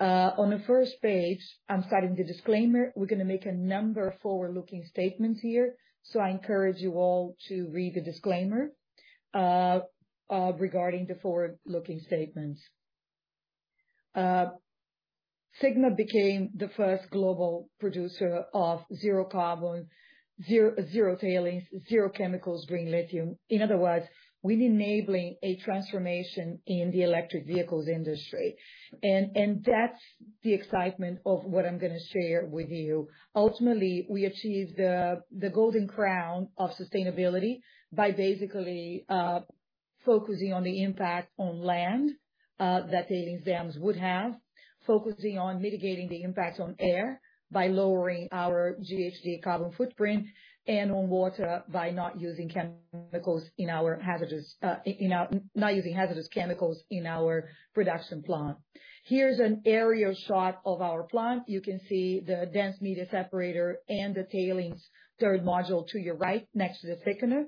On the first page, I'm starting the disclaimer. We're gonna make a number of forward-looking statements here, so I encourage you all to read the disclaimer regarding the forward-looking statements. Sigma became the first global producer of zero carbon, zero tailings, zero chemicals, green lithium. In other words, we're enabling a transformation in the electric vehicles industry, and that's the excitement of what I'm gonna share with you. Ultimately, we achieved the golden crown of sustainability by basically focusing on the impact on land that the exams would have. Focusing on mitigating the impact on air by lowering our GHG carbon footprint and on water by not using chemicals in our hazardous not using hazardous chemicals in our production plant. Here's an aerial shot of our plant. You can see the dense media separator and the tailings third module to your right, next to the thickener,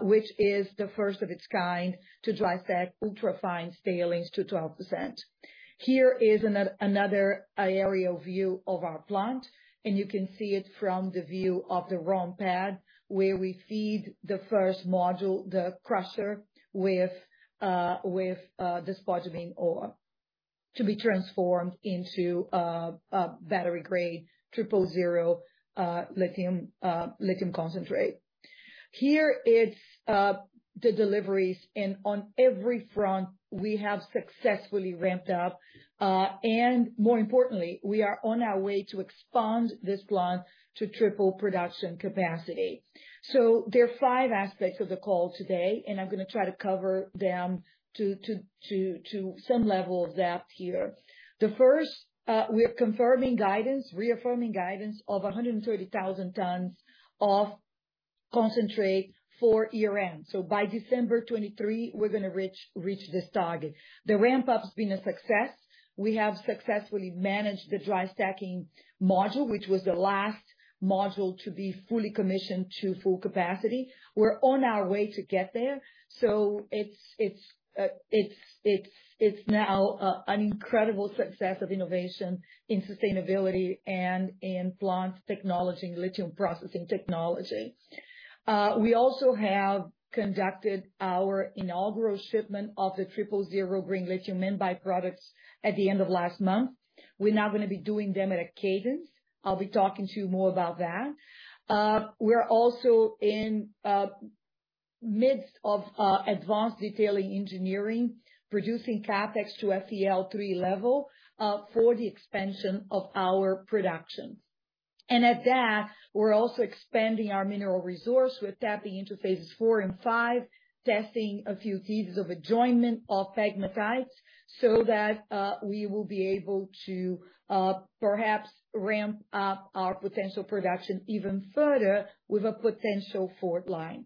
which is the first of its kind to dry stack ultra fine tailings to 12%. Here is another aerial view of our plant, and you can see it from the view of the ramp, where we feed the first module, the crusher, with the spodumene ore to be transformed into a battery-grade Triple Zero lithium concentrate. Here is the deliveries, and on every front, we have successfully ramped up, and more importantly, we are on our way to expand this plant to triple production capacity. There are five aspects of the call today, and I'm gonna try to cover them to some level of depth here. The first, we are confirming guidance, reaffirming guidance of 130,000 tons of concentrate for year-end. By December 2023, we're gonna reach, reach this target. The ramp-up's been a success. We have successfully managed the dry stacking module, which was the last module to be fully commissioned to full capacity. We're on our way to get there, so it's, it's, it's, it's now an incredible success of innovation in sustainability and in plant technology, lithium processing technology. We also have conducted our inaugural shipment of the Triple Zero Green Lithium end byproducts at the end of last month. We're now gonna be doing them at a cadence. I'll be talking to you more about that. We're also in midst of advanced detailing engineering, reducing CapEx to FEL3 level for the expansion of our production. At that, we're also expanding our mineral resource. We're tapping into phases four and five, testing a few thesis of adjoinment of pegmatites, so that we will be able to, perhaps ramp up our potential production even further with a potential fourth line.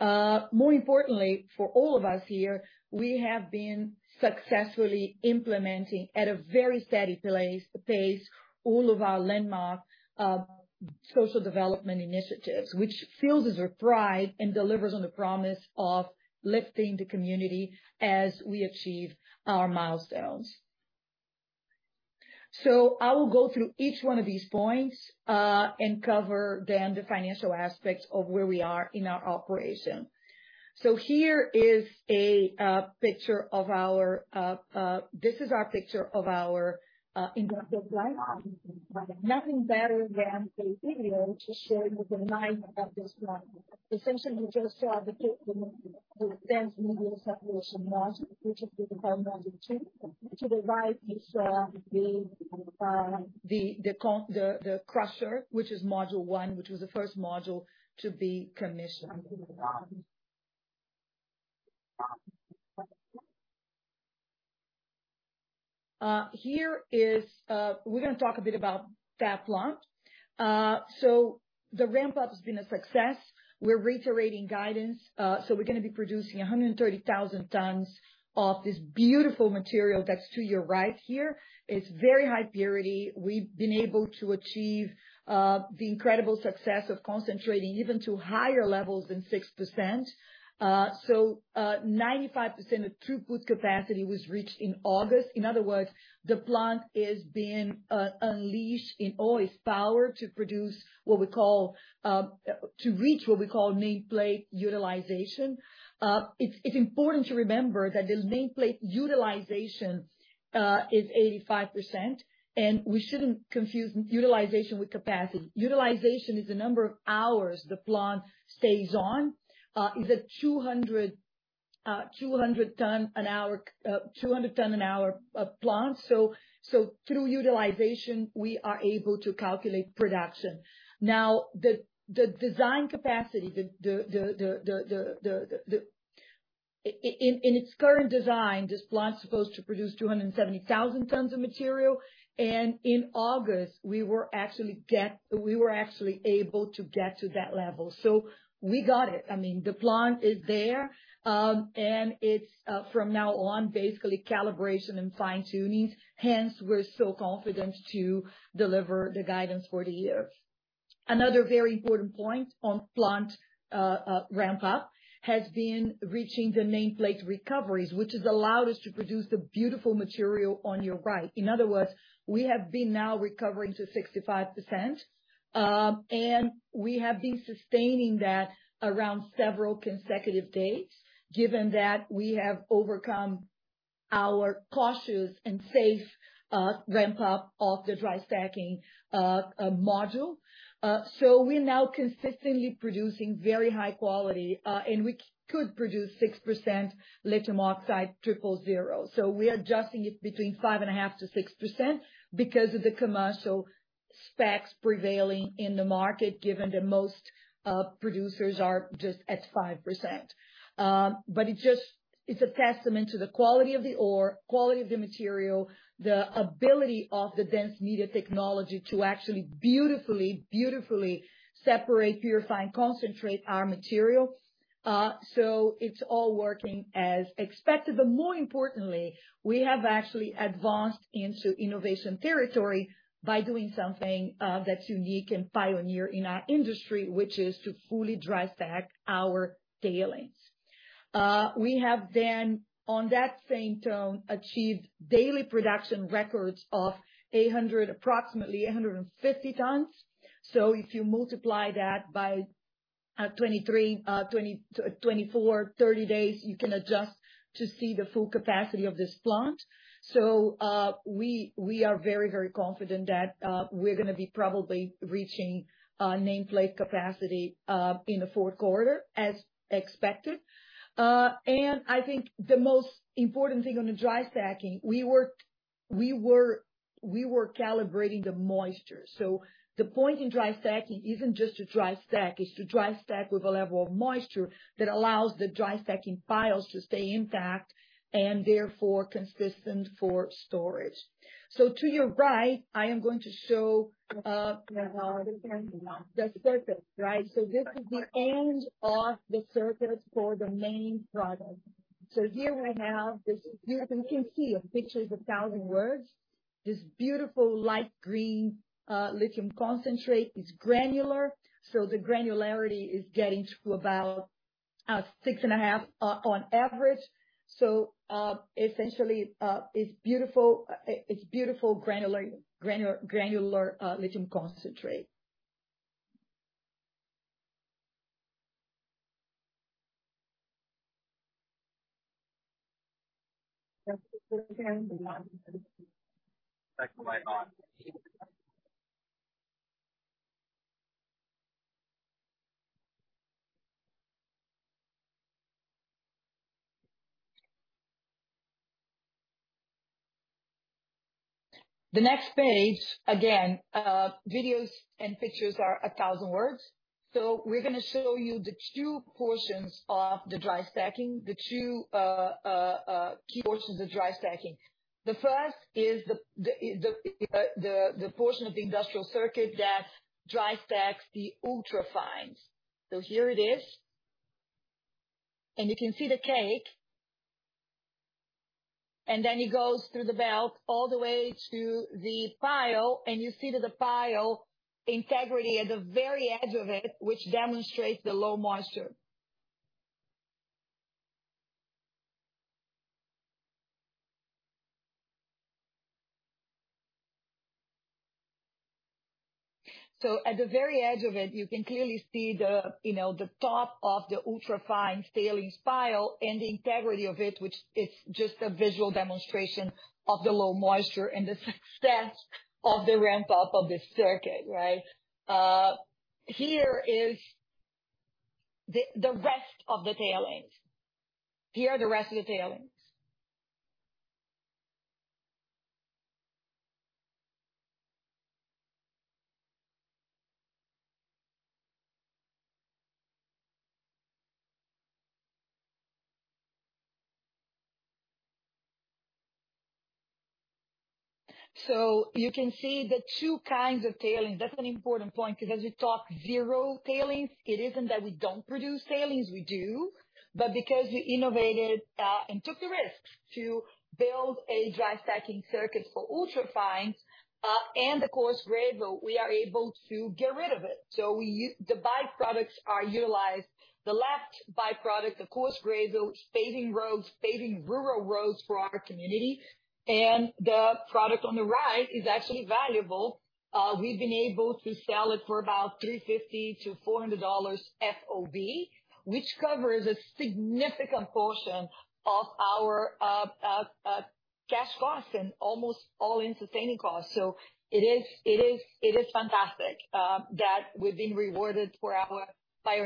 More importantly, for all of us here, we have been successfully implementing at a very steady pace, all of our landmark social development initiatives, which fills us with pride and delivers on the promise of lifting the community as we achieve our milestones. I will go through each one of these points and cover then the financial aspects of where we are in our operation. This is our picture of our interactive live. Nothing better than a video to share with the life of this one. Essentially, you just saw the two, the dense media separation module, which is the module two. To the right, you saw the crusher, which is module one, which was the first module to be commissioned. We're gonna talk a bit about that plant. The ramp-up has been a success. We're reiterating guidance, so we're gonna be producing 130,000 tons of this beautiful material that's to your right here. It's very high purity. We've been able to achieve the incredible success of concentrating even to higher levels than 6%. 95% of throughput capacity was reached in August. In other words, the plant is being unleashed in all its power to reach what we call nameplate utilization. It's, it's important to remember that the Nameplate utilization is 85%, we shouldn't confuse utilization with capacity. Utilization is the number of hours the plant stays on. It's a 200 ton an hour, 200 ton an hour plant, so through utilization, we are able to calculate production. Now, the design capacity in its current design, this plant is supposed to produce 270,000 tons of material, and in August, we were actually able to get to that level. We got it. I mean, the plant is there, and it's from now on, basically calibration and fine-tunings. We're so confident to deliver the guidance for the year. Another very important point on plant ramp up, has been reaching the nameplate recoveries, which has allowed us to produce the beautiful material on your right. In other words, we have been now recovering to 65%. We have been sustaining that around several consecutive days, given that we have overcome our cautious and safe ramp up of the dry stacking module. We're now consistently producing very high quality, and we could produce 6% lithium oxide Triple Zero. We are adjusting it between 5.5%-6% because of the commercial specs prevailing in the market, given that most producers are just at 5%. It's a testament to the quality of the ore, quality of the material, the ability of the dense media technology to actually beautifully, beautifully separate, purify, and concentrate our material. It's all working as expected. More importantly, we have actually advanced into innovation territory by doing something that's unique and pioneer in our industry, which is to fully dry stack our tailings. We have, on that same tone, achieved daily production records of 800, approximately 850 tons. If you multiply that by 23, 24, 30 days, you can adjust to see the full capacity of this plant. We, we are very, very confident that we're gonna be probably reaching nameplate capacity in the fourth quarter as expected. I think the most important thing on the dry stacking, we were, we were calibrating the moisture. The point in dry stacking isn't just to dry stack, is to dry stack with a level of moisture that allows the dry stacking piles to stay intact and therefore consistent for storage. To your right, I am going to show the surface, right? This is the end of the surface for the main product. Here I have this... You can see, a picture is 1,000 words. This beautiful light green lithium concentrate is granular, the granularity is getting to about 6.5 on average. Essentially, it's beautiful, it's beautiful granular, granular, granular lithium concentrate. The next page, again, videos and pictures are 1,000 words. We're gonna show you the two portions of the dry stacking, the two key portions of dry stacking. The first is the portion of the industrial circuit that dry stacks the ultra-fines. Here it is, and you can see the cake. Then it goes through the belt all the way to the pile, you see that the pile integrity at the very edge of it, which demonstrates the low moisture. At the very edge of it, you can clearly see the, you know, the top of the ultra-fines tailings pile and the integrity of it, which is just a visual demonstration of the low moisture and the success of the ramp-up of the circuit, right? Here is the rest of the tailings. Here are the rest of the tailings. You can see the two kinds of tailings. That's an important point, because we talk zero tailings. It isn't that we don't produce tailings, we do. Because we innovated and took the risk to build a dry stacking circuit for ultra fines and the coarse gravel, we are able to get rid of it. We the byproducts are utilized. The left byproduct, the coarse gravel, is paving roads, paving rural roads for our community, and the product on the right is actually valuable. We've been able to sell it for about $350-$400 FOB, which covers a significant portion of our cash costs and almost All-In Sustaining Costs. It is, it is, it is fantastic that we've been rewarded by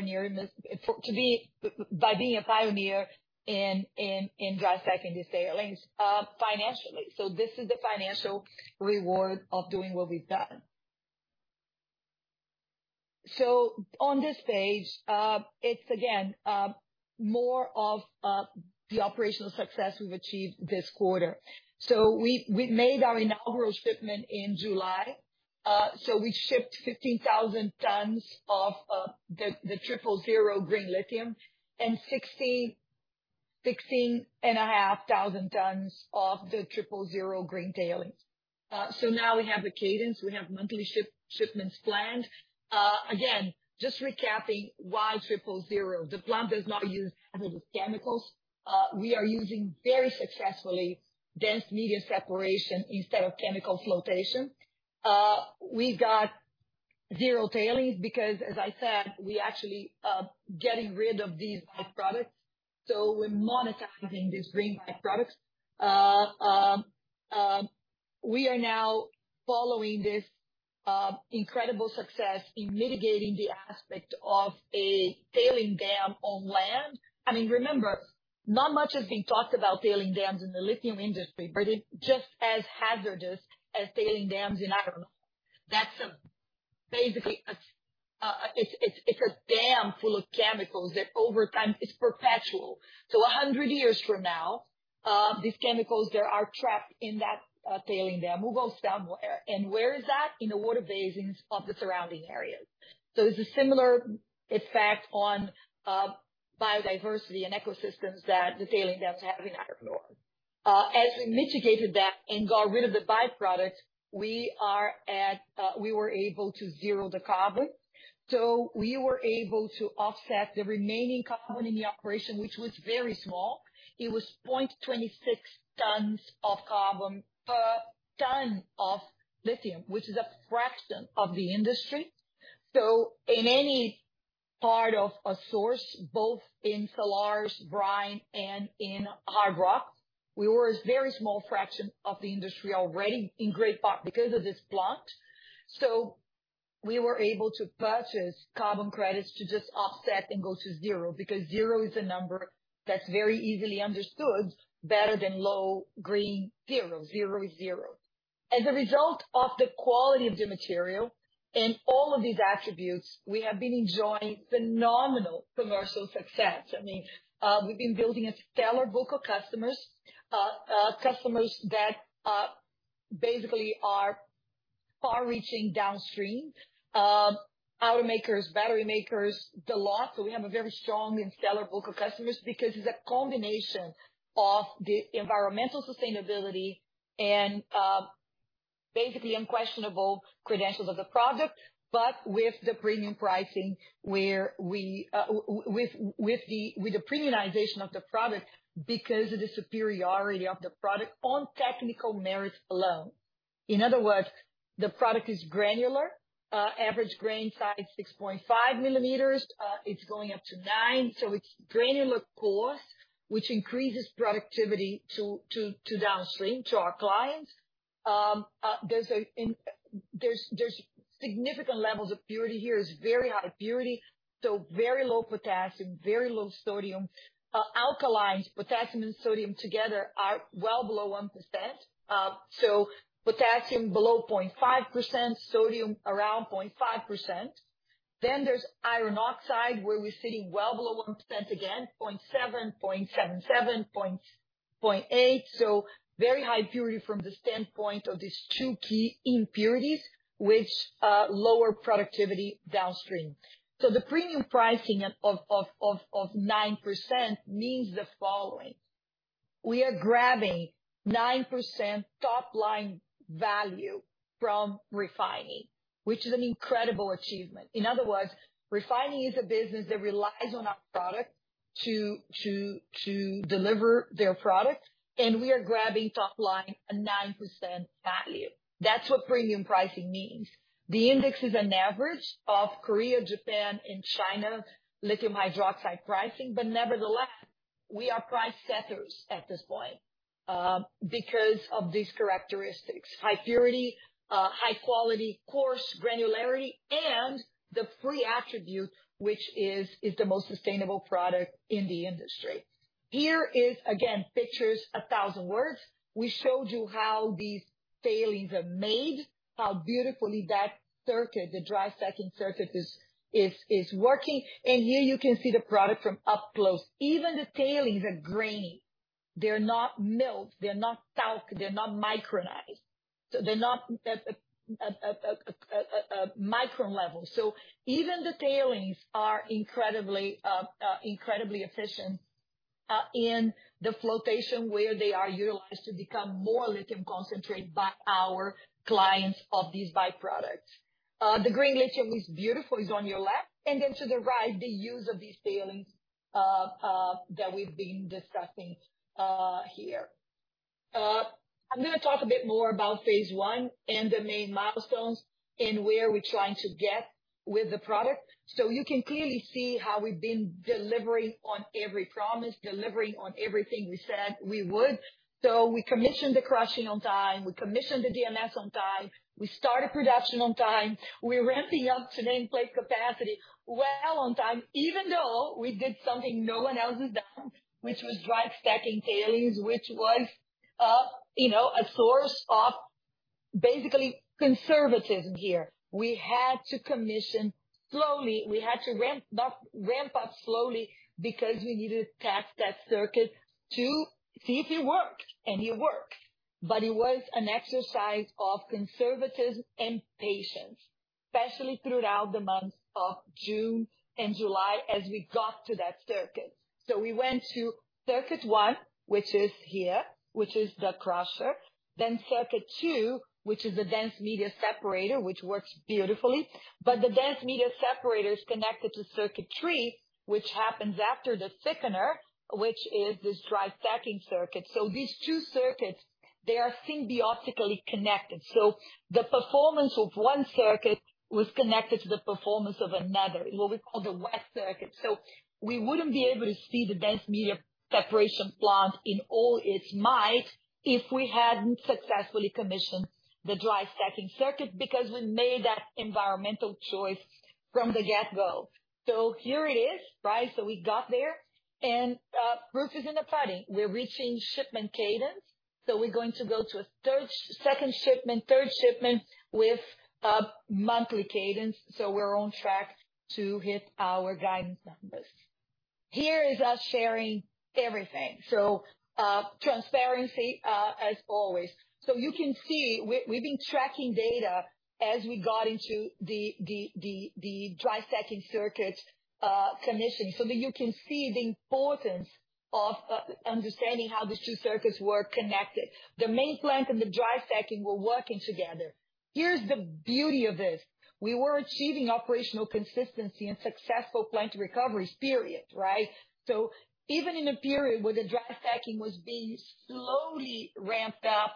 being a pioneer in dry stacking these tailings financially. This is the financial reward of doing what we've done. On this page, it's again more of the operational success we've achieved this quarter. We, we made our inaugural shipment in July. We shipped 15,000 tons of the Triple Zero Green Lithium and 16,500 tons of the Triple Zero Green Tailings. Now we have the cadence, we have monthly shipments planned. Again, just recapping, why Triple Zero? The plant does not use chemicals. We are using very successfully dense media separation instead of chemical flotation. We got zero tailings because, as I said, we actually getting rid of these byproducts, so we're monetizing these green byproducts. We are now following this incredible success in mitigating the aspect of a tailing dam on land. I mean, remember, not much has been talked about tailing dams in the lithium industry, but they're just as hazardous as tailing dams in iron ore. That's a, basically a, it's a dam full of chemicals that over time, it's perpetual. 100 years from now, these chemicals, they are trapped in that tailing dam, who goes down where? Where is that? In the water basins of the surrounding areas. There's a similar effect on biodiversity and ecosystems that the tailing dams have in iron ore. As we mitigated that and got rid of the byproducts, we are at, we were able to zero the carbon. We were able to offset the remaining carbon in the operation, which was very small. It was 0.26 tons of carbon per ton of lithium, which is a fraction of the industry. In any part of a source, both in salars, brine, and in hard rock, we were a very small fraction of the industry already, in great part because of this plant. We were able to purchase carbon credits to just offset and go to zero, because zero is a number that's very easily understood, better than low green. Zero, zero is zero. As a result of the quality of the material and all of these attributes, we have been enjoying phenomenal commercial success. I mean, we've been building a stellar book of customers, customers that basically are far-reaching downstream. Automakers, battery makers, the lot. We have a very strong and stellar book of customers because it's a combination of the environmental sustainability and basically unquestionable credentials of the product, but with the premium pricing where we with the premiumization of the product, because of the superiority of the product on technical merit alone. In other words, the product is granular, average grain size 6.5 millimeters, it's going up to nine, so it's granular coarse, which increases productivity to, to, to downstream, to our clients. There's, there's significant levels of purity here, it's very high purity, so very low potassium, very low sodium. Alkalines, potassium and sodium together are well below 1%. Potassium below 0.5%, sodium around 0.5%. There's iron oxide, where we're sitting well below 1%, again, 0.7%, 0.77%, 0.8%. Very high purity from the standpoint of these two key impurities, which lower productivity downstream. The premium pricing of 9% means the following: we are grabbing 9% top line value from refining, which is an incredible achievement. In other words, refining is a business that relies on our product to deliver their product, and we are grabbing top line, a 9% value. That's what premium pricing means. The index is an average of Korea, Japan, and China, lithium hydroxide pricing, nevertheless, we are price setters at this point because of these characteristics. High purity, high quality, coarse granularity, the free attribute, which is the most sustainable product in the industry. Here is, again, pictures, a thousand words. We showed you how these tailings are made, how beautifully that circuit, the dry stacking circuit is working. Here you can see the product from up close. Even the tailings are grainy. They're not milled, they're not talc, they're not micronized, so they're not at a micron level. Even the tailings are incredibly efficient in the flotation, where they are utilized to become more lithium concentrate by our clients of these byproducts. The green lithium is beautiful, it's on your left, and then to the right, the use of these tailings that we've been discussing here. I'm gonna talk a bit more about phase I and the main milestones, and where we're trying to get with the product. You can clearly see how we've been delivering on every promise, delivering on everything we said we would. We commissioned the crushing on time. We commissioned the DMS on time. We started production on time. We're ramping up to nameplate capacity well on time, even though we did something no one else has done, which was dry stacking tailings, which was, you know, a source of basically conservatism here. We had to commission slowly. We had to ramp up, ramp up slowly because we needed to test that circuit to see if it worked, and it worked. It was an exercise of conservatism and patience. especially throughout the months of June and July as we got to that circuit. We went to circuit 1, which is here, which is the crusher, then circuit 2, which is the dense media separator, which works beautifully. The dense media separator is connected to circuit 3, which happens after the thickener, which is this dry stacking circuit. These two circuits, they are symbiotically connected. The performance of 1 circuit was connected to the performance of another, what we call the wet circuit. We wouldn't be able to see the dense media separation plant in all its might if we hadn't successfully commissioned the dry stacking circuit, because we made that environmental choice from the get-go. Here it is, right? We got there, and proof is in the pudding. We're reaching shipment cadence, so we're going to go to a second shipment, third shipment with a monthly cadence. We're on track to hit our guidance numbers. Here is us sharing everything. Transparency, as always. You can see we've been tracking data as we got into the dry stacking circuit commission, so that you can see the importance of understanding how these two circuits were connected. The main plant and the dry stacking were working together. Here's the beauty of this: We were achieving operational consistency and successful plant recoveries, period, right? Even in a period where the dry stacking was being slowly ramped up,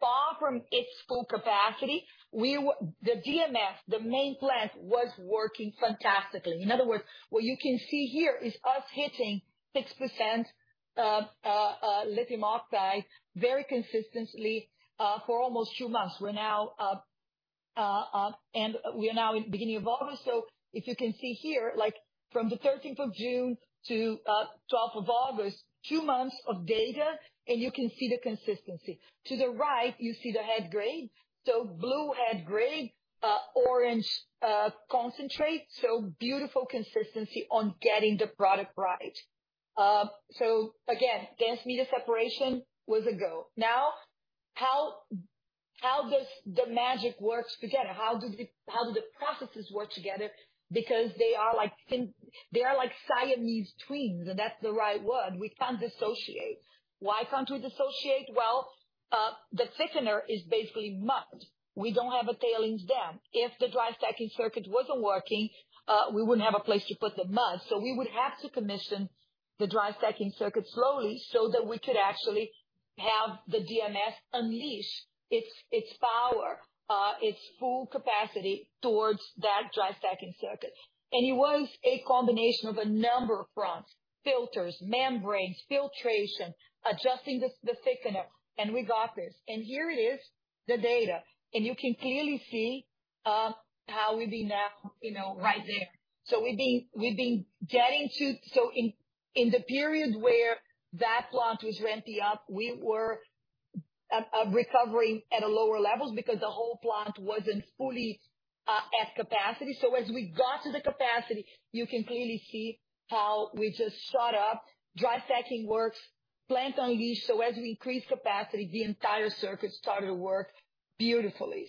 far from its full capacity, we the DMS, the main plant, was working fantastically. In other words, what you can see here is us hitting 6% lithium oxide very consistently for almost two months. We're now, and we are now in the beginning of August. If you can see here, like from the 13th of June to 12th of August, two months of data, and you can see the consistency. To the right, you see the head grade. Blue head grade, orange concentrate, so beautiful consistency on getting the product right. Again, dense media separation was a go. How does the magic works together? How do the processes work together? They are like Siamese twins, that's the right word. We can't dissociate. Why can't we dissociate? Well, the thickener is basically mud. We don't have a tailings dam. If the dry stacking circuit wasn't working, we wouldn't have a place to put the mud, so we would have to commission the dry stacking circuit slowly so that we could actually have the DMS unleash its, its power, its full capacity towards that dry stacking circuit. It was a combination of a number of fronts: filters, membranes, filtration, adjusting the, the thickener, and we got this. Here it is, the data. You can clearly see, how we've been now, you know, right there. In the period where that plant was ramping up, we were recovering at a lower levels because the whole plant wasn't fully at capacity. As we got to the capacity, you can clearly see how we just shot up. Dry stacking works, plant unleashed. As we increased capacity, the entire circuit started to work beautifully.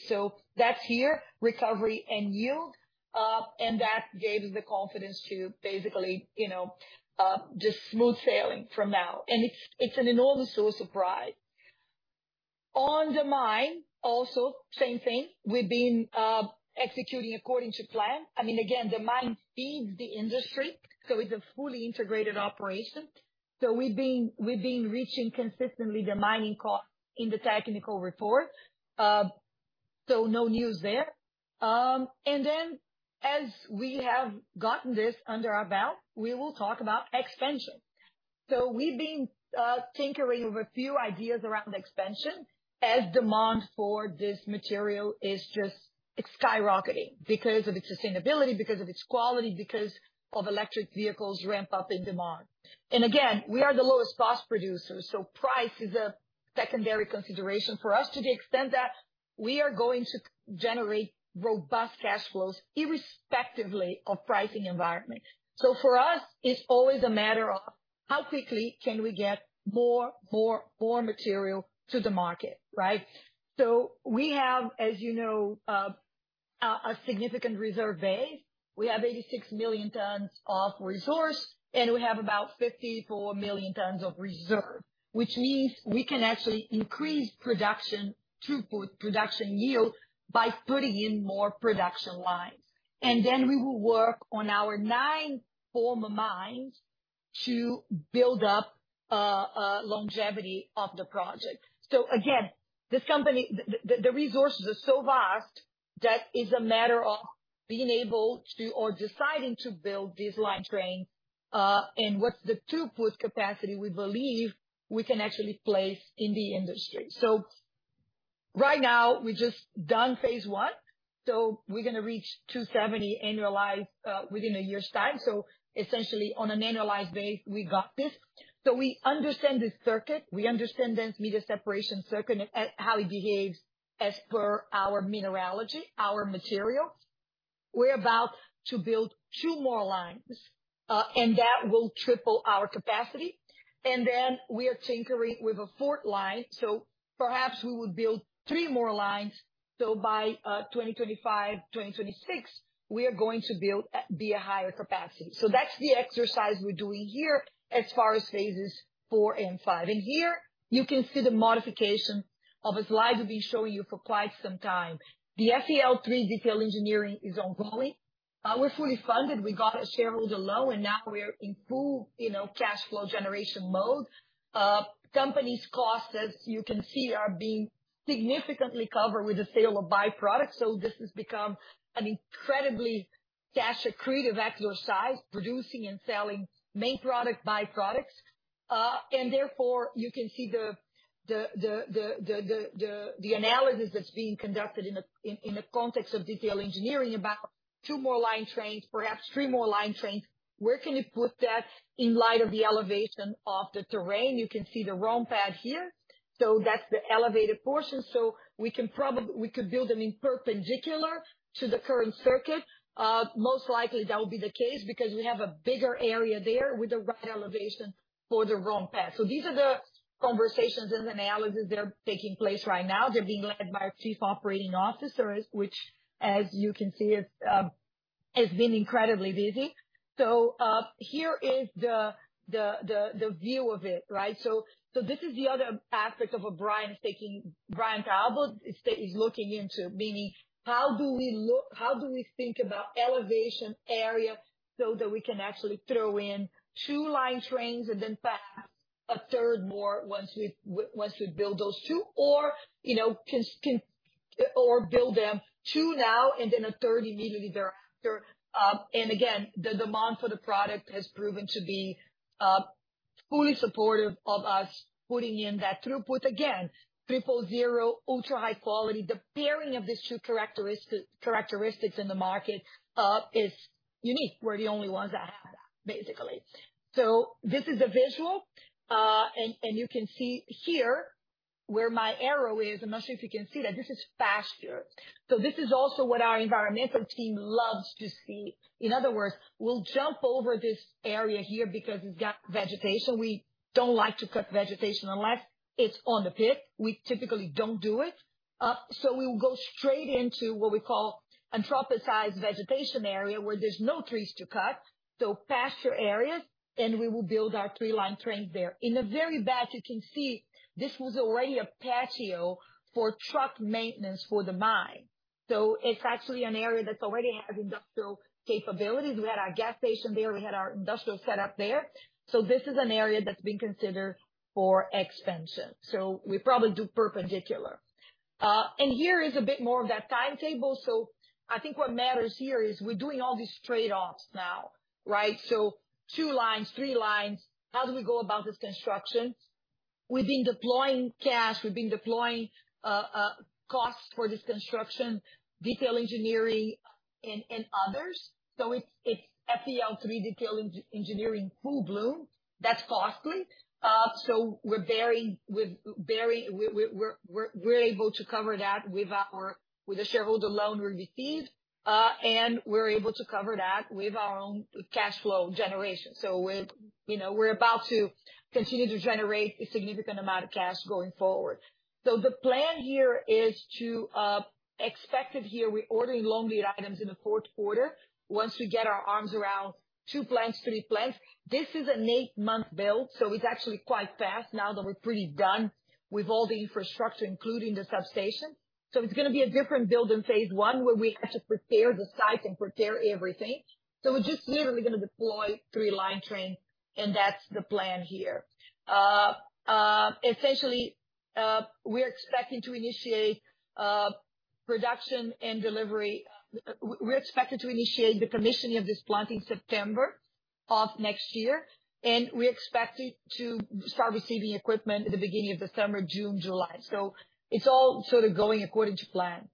That's here, recovery and yield, and that gave us the confidence to basically, you know, just smooth sailing from now. It's an enormous source of pride. On the mine, also same thing. We've been executing according to plan. I mean, again, the mine feeds the industry, so it's a fully integrated operation. We've been reaching consistently the mining cost in the technical report. No news there. Then as we have gotten this under our belt, we will talk about expansion. We've been tinkering with a few ideas around expansion as demand for this material is just, it's skyrocketing because of its sustainability, because of its quality, because of electric vehicles' ramp up in demand. Again, we are the lowest cost producer, so price is a secondary consideration for us to the extent that we are going to generate robust cash flows, irrespectively of pricing environment. For us, it's always a matter of how quickly can we get more, more, more material to the market, right? We have, as you know, a, a significant reserve base. We have 86 million tons of resource, and we have about 54 million tons of reserve, which means we can actually increase production, throughput production yield by putting in more production lines. Then we will work on our nine former mines to build up longevity of the project. Again, this company, the, the, the resources are so vast that it's a matter of being able to or deciding to build these line trains, and what's the throughput capacity we believe we can actually place in the industry. Right now, we've just done phase I, so we're gonna reach 270 annualized within a year's time. Essentially, on an annualized base, we got this. We understand this circuit, we understand dense media separation circuit and, and how it behaves as per our mineralogy, our material. We're about to build two more lines, and that will triple our capacity. We are tinkering with a fourth line, so perhaps we would build three more lines. By 2025, 2026, we are going to build at, be a higher capacity. That's the exercise we're doing here as far as Phases four and five. Here you can see the modification of a slide we've been showing you for quite some time. The FEL3 detail engineering is ongoing. We're fully funded. We got a shareholder loan, and now we're in full, you know, cash flow generation mode. Company's costs, as you can see, are being significantly covered with the sale of byproducts. This has become an incredibly cash accretive exercise, producing and selling main product, byproducts. Therefore, you can see the, the, the, the, the, the analysis that's being conducted in a, in, in a context of detailed engineering about two more line trains, perhaps three more line trains. Where can you put that in light of the elevation of the terrain? You can see the rampad here. That's the elevated portion. We could build them in perpendicular to the current circuit. Most likely that will be the case because we have a bigger area there with the right elevation for the rampad. These are the conversations and analysis that are taking place right now. They're being led by our chief operating officer, which, as you can see, is has been incredibly busy. Here is the view of it, right? This is the other aspect of what Brian Talbot is looking into, meaning how do we think about elevation area so that we can actually throw in two line trains and then perhaps a third more once we once we build those two? you know, can, can, or build them two now and then a third immediately there after. Again, the demand for the product has proven to be fully supportive of us putting in that throughput. Again, Triple Zero, ultra-high quality. The pairing of these two characteristic, characteristics in the market is unique. We're the only ones that have that, basically. This is a visual. And you can see here, where my arrow is, I'm not sure if you can see that this is faster. This is also what our environmental team loves to see. In other words, we'll jump over this area here because it's got vegetation. We don't like to cut vegetation unless it's on the pit. We typically don't do it. We'll go straight into what we call anthropized vegetation area, where there's no trees to cut, so pasture areas, and we will build our three line trains there. In the very back, you can see this was already a patio for truck maintenance for the mine. It's actually an area that already has industrial capabilities. We had our gas station there, we had our industrial setup there. This is an area that's been considered for expansion. We probably do perpendicular. Here is a bit more of that timetable. I think what matters here is we're doing all these trade-offs now, right? Two lines, three lines. How do we go about this construction? We've been deploying cash, we've been deploying costs for this construction, detail engineering and others. It's, it's FEL three detail engineering full bloom. That's costly. We're very able to cover that with our, with the shareholder loan we received. We're able to cover that with our own cash flow generation. We're, you know, we're about to continue to generate a significant amount of cash going forward. The plan here is to, expected here, we're ordering long lead items in the fourth quarter. Once we get our arms around two plants, three plants. This is an eight month build, so it's actually quite fast now that we're pretty done with all the infrastructure, including the substation. It's gonna be a different build in phase I, where we have to prepare the site and prepare everything. We're just literally gonna deploy three line trains, and that's the plan here. Essentially, we're expecting to initiate production and delivery. We're expected to initiate the commissioning of this plant in September of next year, and we're expecting to start receiving equipment at the beginning of December, June, July. It's all sort of going according to plan.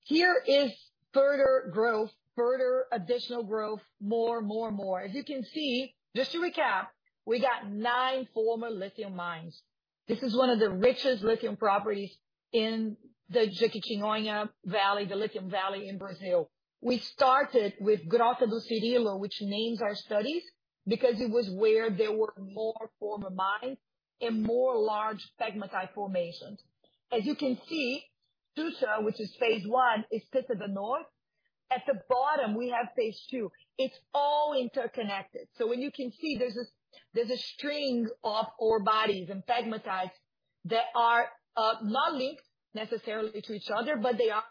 Here is further growth, further additional growth, more, more, more. As you can see, just to recap, we got nine former lithium mines. This is one of the richest lithium properties in the Jequitinhonha Valley, the Lithium Valley in Brazil. We started with Grota do Cirilo, which names our studies, because it was where there were more former mines and more large pegmatite formations. As you can see, Xuxa, which is phase I, is to the north. At the bottom, we have phase II. It's all interconnected. When you can see, there's a, there's a string of ore bodies and pegmatites that are not linked necessarily to each other, but they are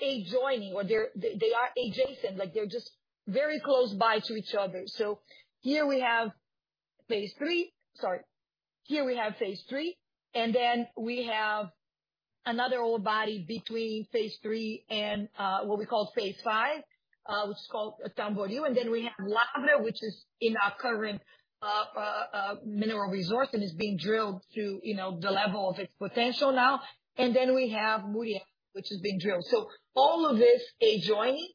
adjoining or they're, they are adjacent, like, they're just very close by to each other. Here we phase III. sorry, here we phase III, and then we have another ore body phase III and what we call phase V, which is called Tamboril. Then we have Lavra do Meio, which is in our current mineral resource, and is being drilled to, you know, the level of its potential now. Then we have Murial, which is being drilled. All of this adjoining.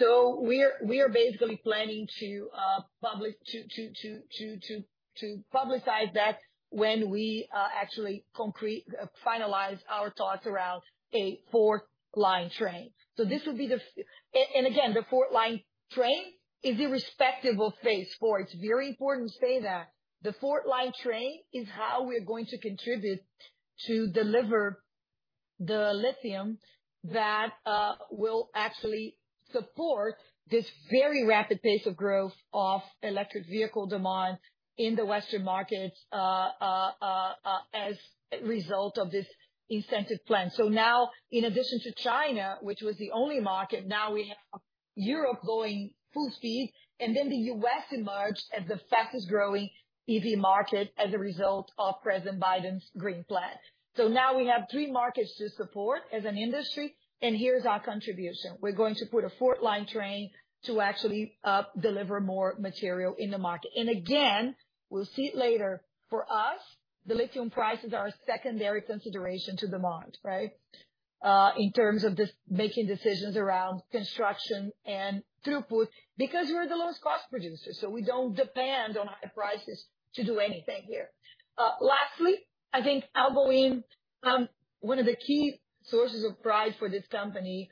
We're, we are basically planning to publicize that when we actually finalize our thoughts around a fourth line train. This will be and, and again, the fourth line train is irrespective of phase IV. It's very important to say that. The fourth line train is how we're going to contribute to deliver the lithium that will actually support this very rapid pace of growth of electric vehicle demand in the Western markets, as a result of this incentive plan. Now, in addition to China, which was the only market, now we have Europe going full speed, and then the U.S. in March, as the fastest growing EV market, as a result of President Biden's green plan. Now we have three markets to support as an industry, and here's our contribution. We're going to put a fourth line train to actually deliver more material in the market. Again, we'll see it later, for us, the lithium prices are a secondary consideration to demand, right? In terms of this, making decisions around construction and throughput, because we're the lowest cost producer, so we don't depend on high prices to do anything here. Lastly, I think Albemarle, one of the key sources of pride for this company,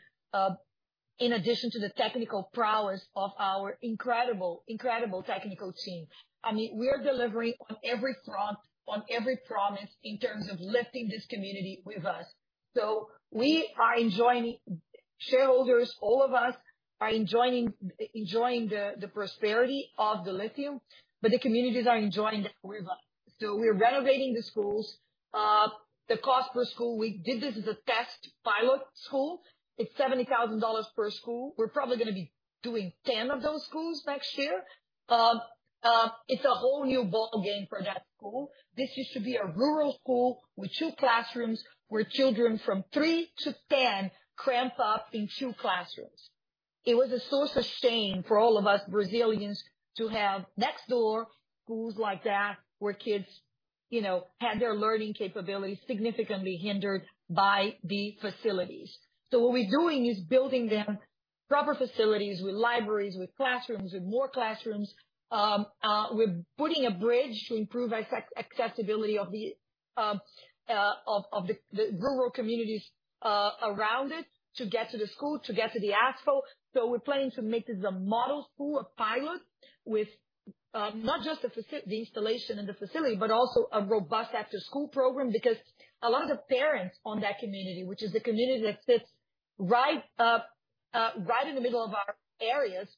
in addition to the technical prowess of our incredible, incredible technical team, I mean, we are delivering on every front, on every promise in terms of lifting this community with us. We are enjoying-- shareholders, all of us, are enjoying the prosperity of the lithium, but the communities are enjoying that with us. We're renovating the schools. The cost per school, we did this as a test pilot school. It's $70,000 per school. We're probably gonna be doing 10 of those schools next year. It's a whole new ballgame for that school. This used to be a rural school with two classrooms, where children from three to ten cramped up in two classrooms. It was a source of shame for all of us Brazilians to have next door, schools like that, where kids, you know, had their learning capabilities significantly hindered by the facilities. What we're doing is building them proper facilities with libraries, with classrooms, with more classrooms. We're building a bridge to improve acce-accessibility of the, of, of the, the rural communities, around it, to get to the school, to get to the asphalt. We're planning to make this a model school, a pilot with, not just the facil-- the installation and the facility, but also a robust after-school program. Because a lot of the parents on that community, which is a community that sits right, right in the middle of our areas,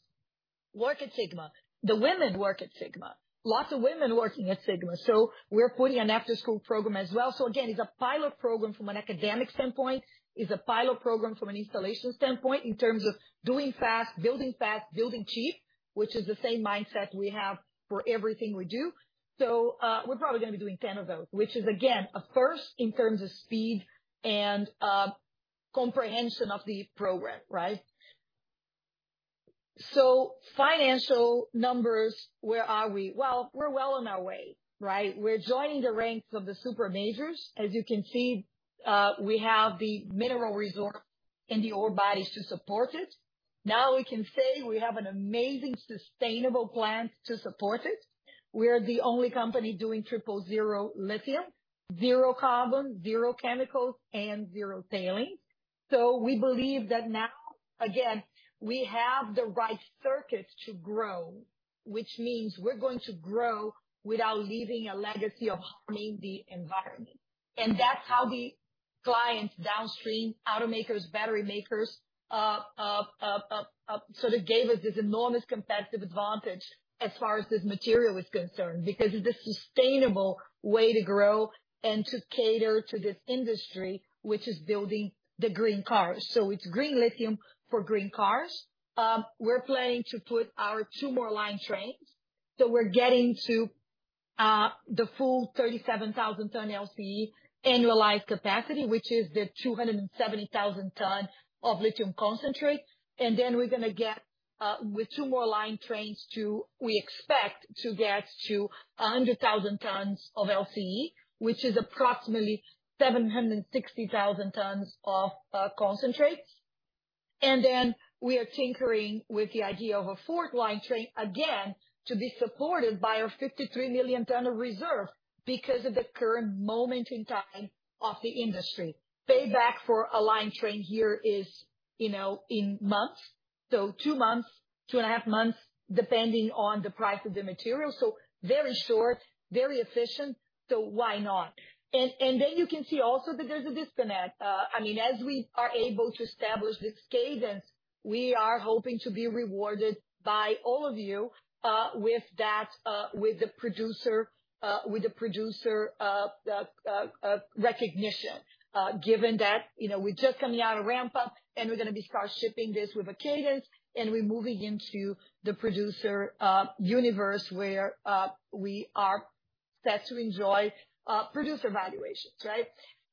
work at Sigma. The women work at Sigma. Lots of women working at Sigma, so we're putting an after-school program as well. Again, it's a pilot program from an academic standpoint. It's a pilot program from an installation standpoint, in terms of doing fast, building fast, building cheap, which is the same mindset we have for everything we do. We're probably gonna be doing 10 of those, which is, again, a first in terms of speed and comprehension of the program, right? Financial numbers, where are we? We're well on our way, right? We're joining the ranks of the super majors. As you can see, we have the mineral resource in the ore bodies to support it. Now, we can say we have an amazing, sustainable plan to support it. We're the only company doing Triple Zero lithium, zero carbon, zero chemicals, and zero tailings. We believe that now, again, we have the right circuits to grow, which means we're going to grow without leaving a legacy of harming the environment. That's how the clients downstream, automakers, battery makers, sort of gave us this enormous competitive advantage as far as this material is concerned, because it's a sustainable way to grow and to cater to this industry, which is building the green cars. It's green lithium for green cars. We're planning to put our two more line trains. We're getting to the full 37,000 ton LCE annualized capacity, which is the 270,000 ton of lithium concentrate. Then we're gonna get, with two more line trains, to. We expect to get to 100,000 tons of LCE, which is approximately 760,000 tons of concentrates. We are tinkering with the idea of a fourth line train, again, to be supported by our 53 million tons of reserve, because of the current moment in time of the industry. Payback for a line train here is, you know, in months, two months, 2.5 months, depending on the price of the material. Very short, very efficient, why not? You can see also that there's a disconnect. I mean, as we are able to establish this cadence, we are hoping to be rewarded by all of you, with that, with the producer, with the producer, recognition. Given that, you know, we're just coming out of ramp-up, and we're gonna be start shipping this with a cadence, and we're moving into the producer universe, where we are set to enjoy producer valuations, right?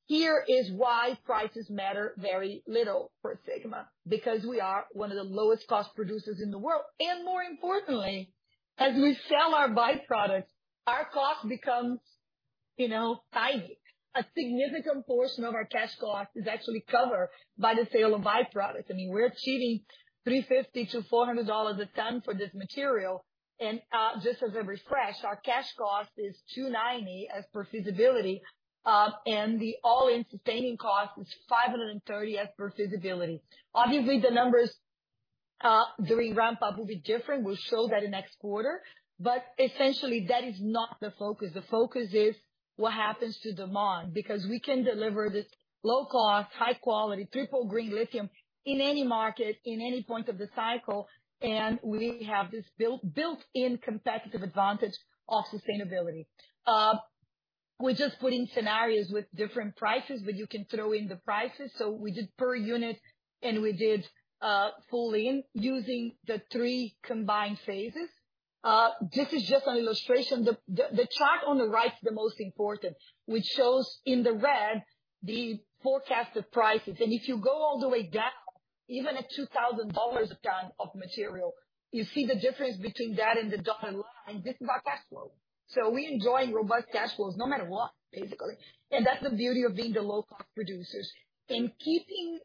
Here is why prices matter very little for Sigma, because we are one of the lowest cost producers in the world. More importantly, as we sell our byproducts, our cost becomes-... you know, tiny. A significant portion of our cash cost is actually covered by the sale of byproducts. I mean, we're achieving $350-$400/t for this material. Just as a refresh, our cash cost is $290 as per feasibility, and the All-In Sustaining Cost is $530 as per feasibility. Obviously, the numbers during ramp-up will be different. We'll show that in next quarter, essentially, that is not the focus. The focus is what happens to demand, because we can deliver this low cost, high quality, triple green lithium in any market, in any point of the cycle, and we have this built, built-in competitive advantage of sustainability. We're just putting scenarios with different prices, you can throw in the prices. We did per unit, and we did full in using the three combined phases. This is just an illustration. The, the, the chart on the right is the most important, which shows, in the red, the forecasted prices. If you go all the way down, even at $2,000 a ton of material, you see the difference between that and the dotted line. This is our cash flow. We're enjoying robust cash flows no matter what, basically. That's the beauty of being the low-cost producers. Keeping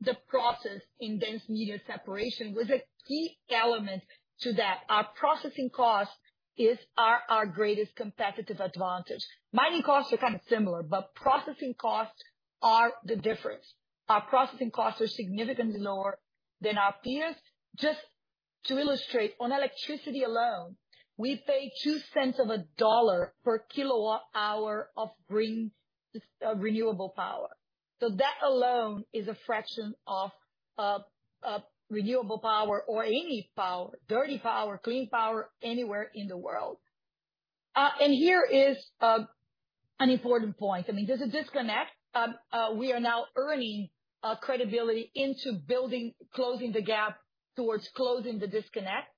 the process in dense media separation was a key element to that. Our processing cost is our greatest competitive advantage. Mining costs are kind of similar, but processing costs are the difference. Our processing costs are significantly lower than our peers. Just to illustrate, on electricity alone, we pay $0.02 per kWh of green, renewable power. That alone is a fraction of renewable power or any power, dirty power, clean power, anywhere in the world. Here is an important point. I mean, there's a disconnect. We are now earning credibility into building, closing the gap towards closing the disconnect.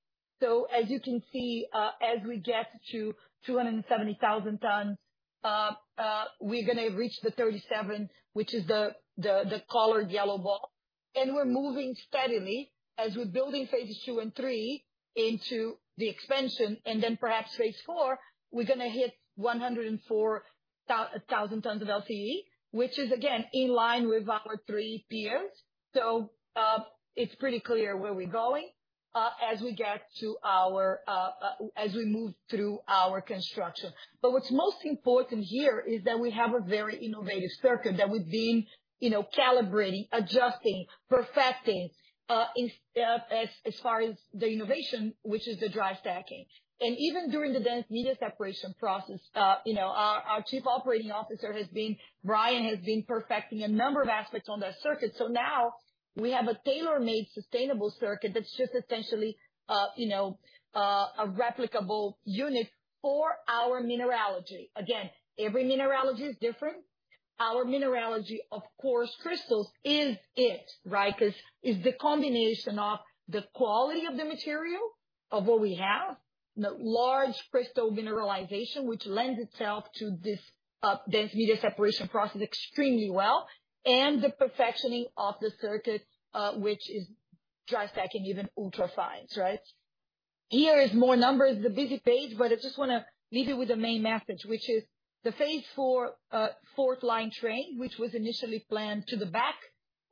As you can see, as we get to 270,000 tons, we're gonna reach the 37, which is the, the, the colored yellow bar. We're moving steadily as we're building phases two and three into the expansion, and then perhaps phase IV, we're gonna hit 104,000 tons of LCE, which is again, in line with our three peers. It's pretty clear where we're going as we move through our construction. What's most important here is that we have a very innovative circuit that we've been, you know, calibrating, adjusting, perfecting, as, as far as the innovation, which is the dry stacking. Even during the dense media separation process, our Chief Operating Officer has been, Brian, has been perfecting a number of aspects on that circuit. Now we have a tailor-made sustainable circuit that's just essentially a replicable unit for our mineralogy. Again, every mineralogy is different. Our mineralogy, of course, crystals is it, right? 'Cause it's the combination of the quality of the material, of what we have, the large crystal mineralization, which lends itself to this dense media separation process extremely well, and the perfectioning of the circuit, which is dry stacking, even ultra-fines, right? Here is more numbers, the busy page, but I just wanna leave you with the main message, which is the phase IV, fourth line train, which was initially planned to the back,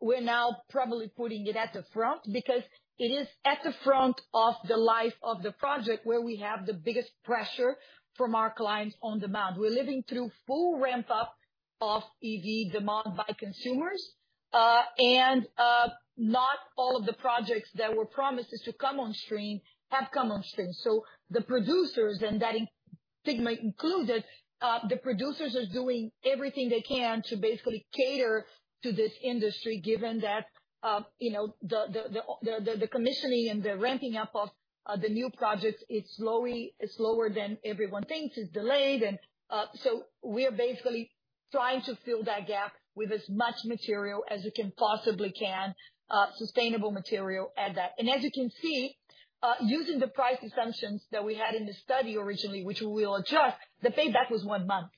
we're now probably putting it at the front because it is at the front of the life of the project, where we have the biggest pressure from our clients on demand. We're living through full ramp up of EV demand by consumers, and not all of the projects that were promised to come on stream, have come on stream. The producers, and that includes Sigma included, the producers are doing everything they can to basically cater to this industry, given that, you know, the, the, the, the, the commissioning and the ramping up of the new projects is slower than everyone thinks. It's delayed. We are basically trying to fill that gap with as much material as we can possibly can, sustainable material at that. As you can see, using the price assumptions that we had in the study originally, which we will adjust, the payback was 1 month.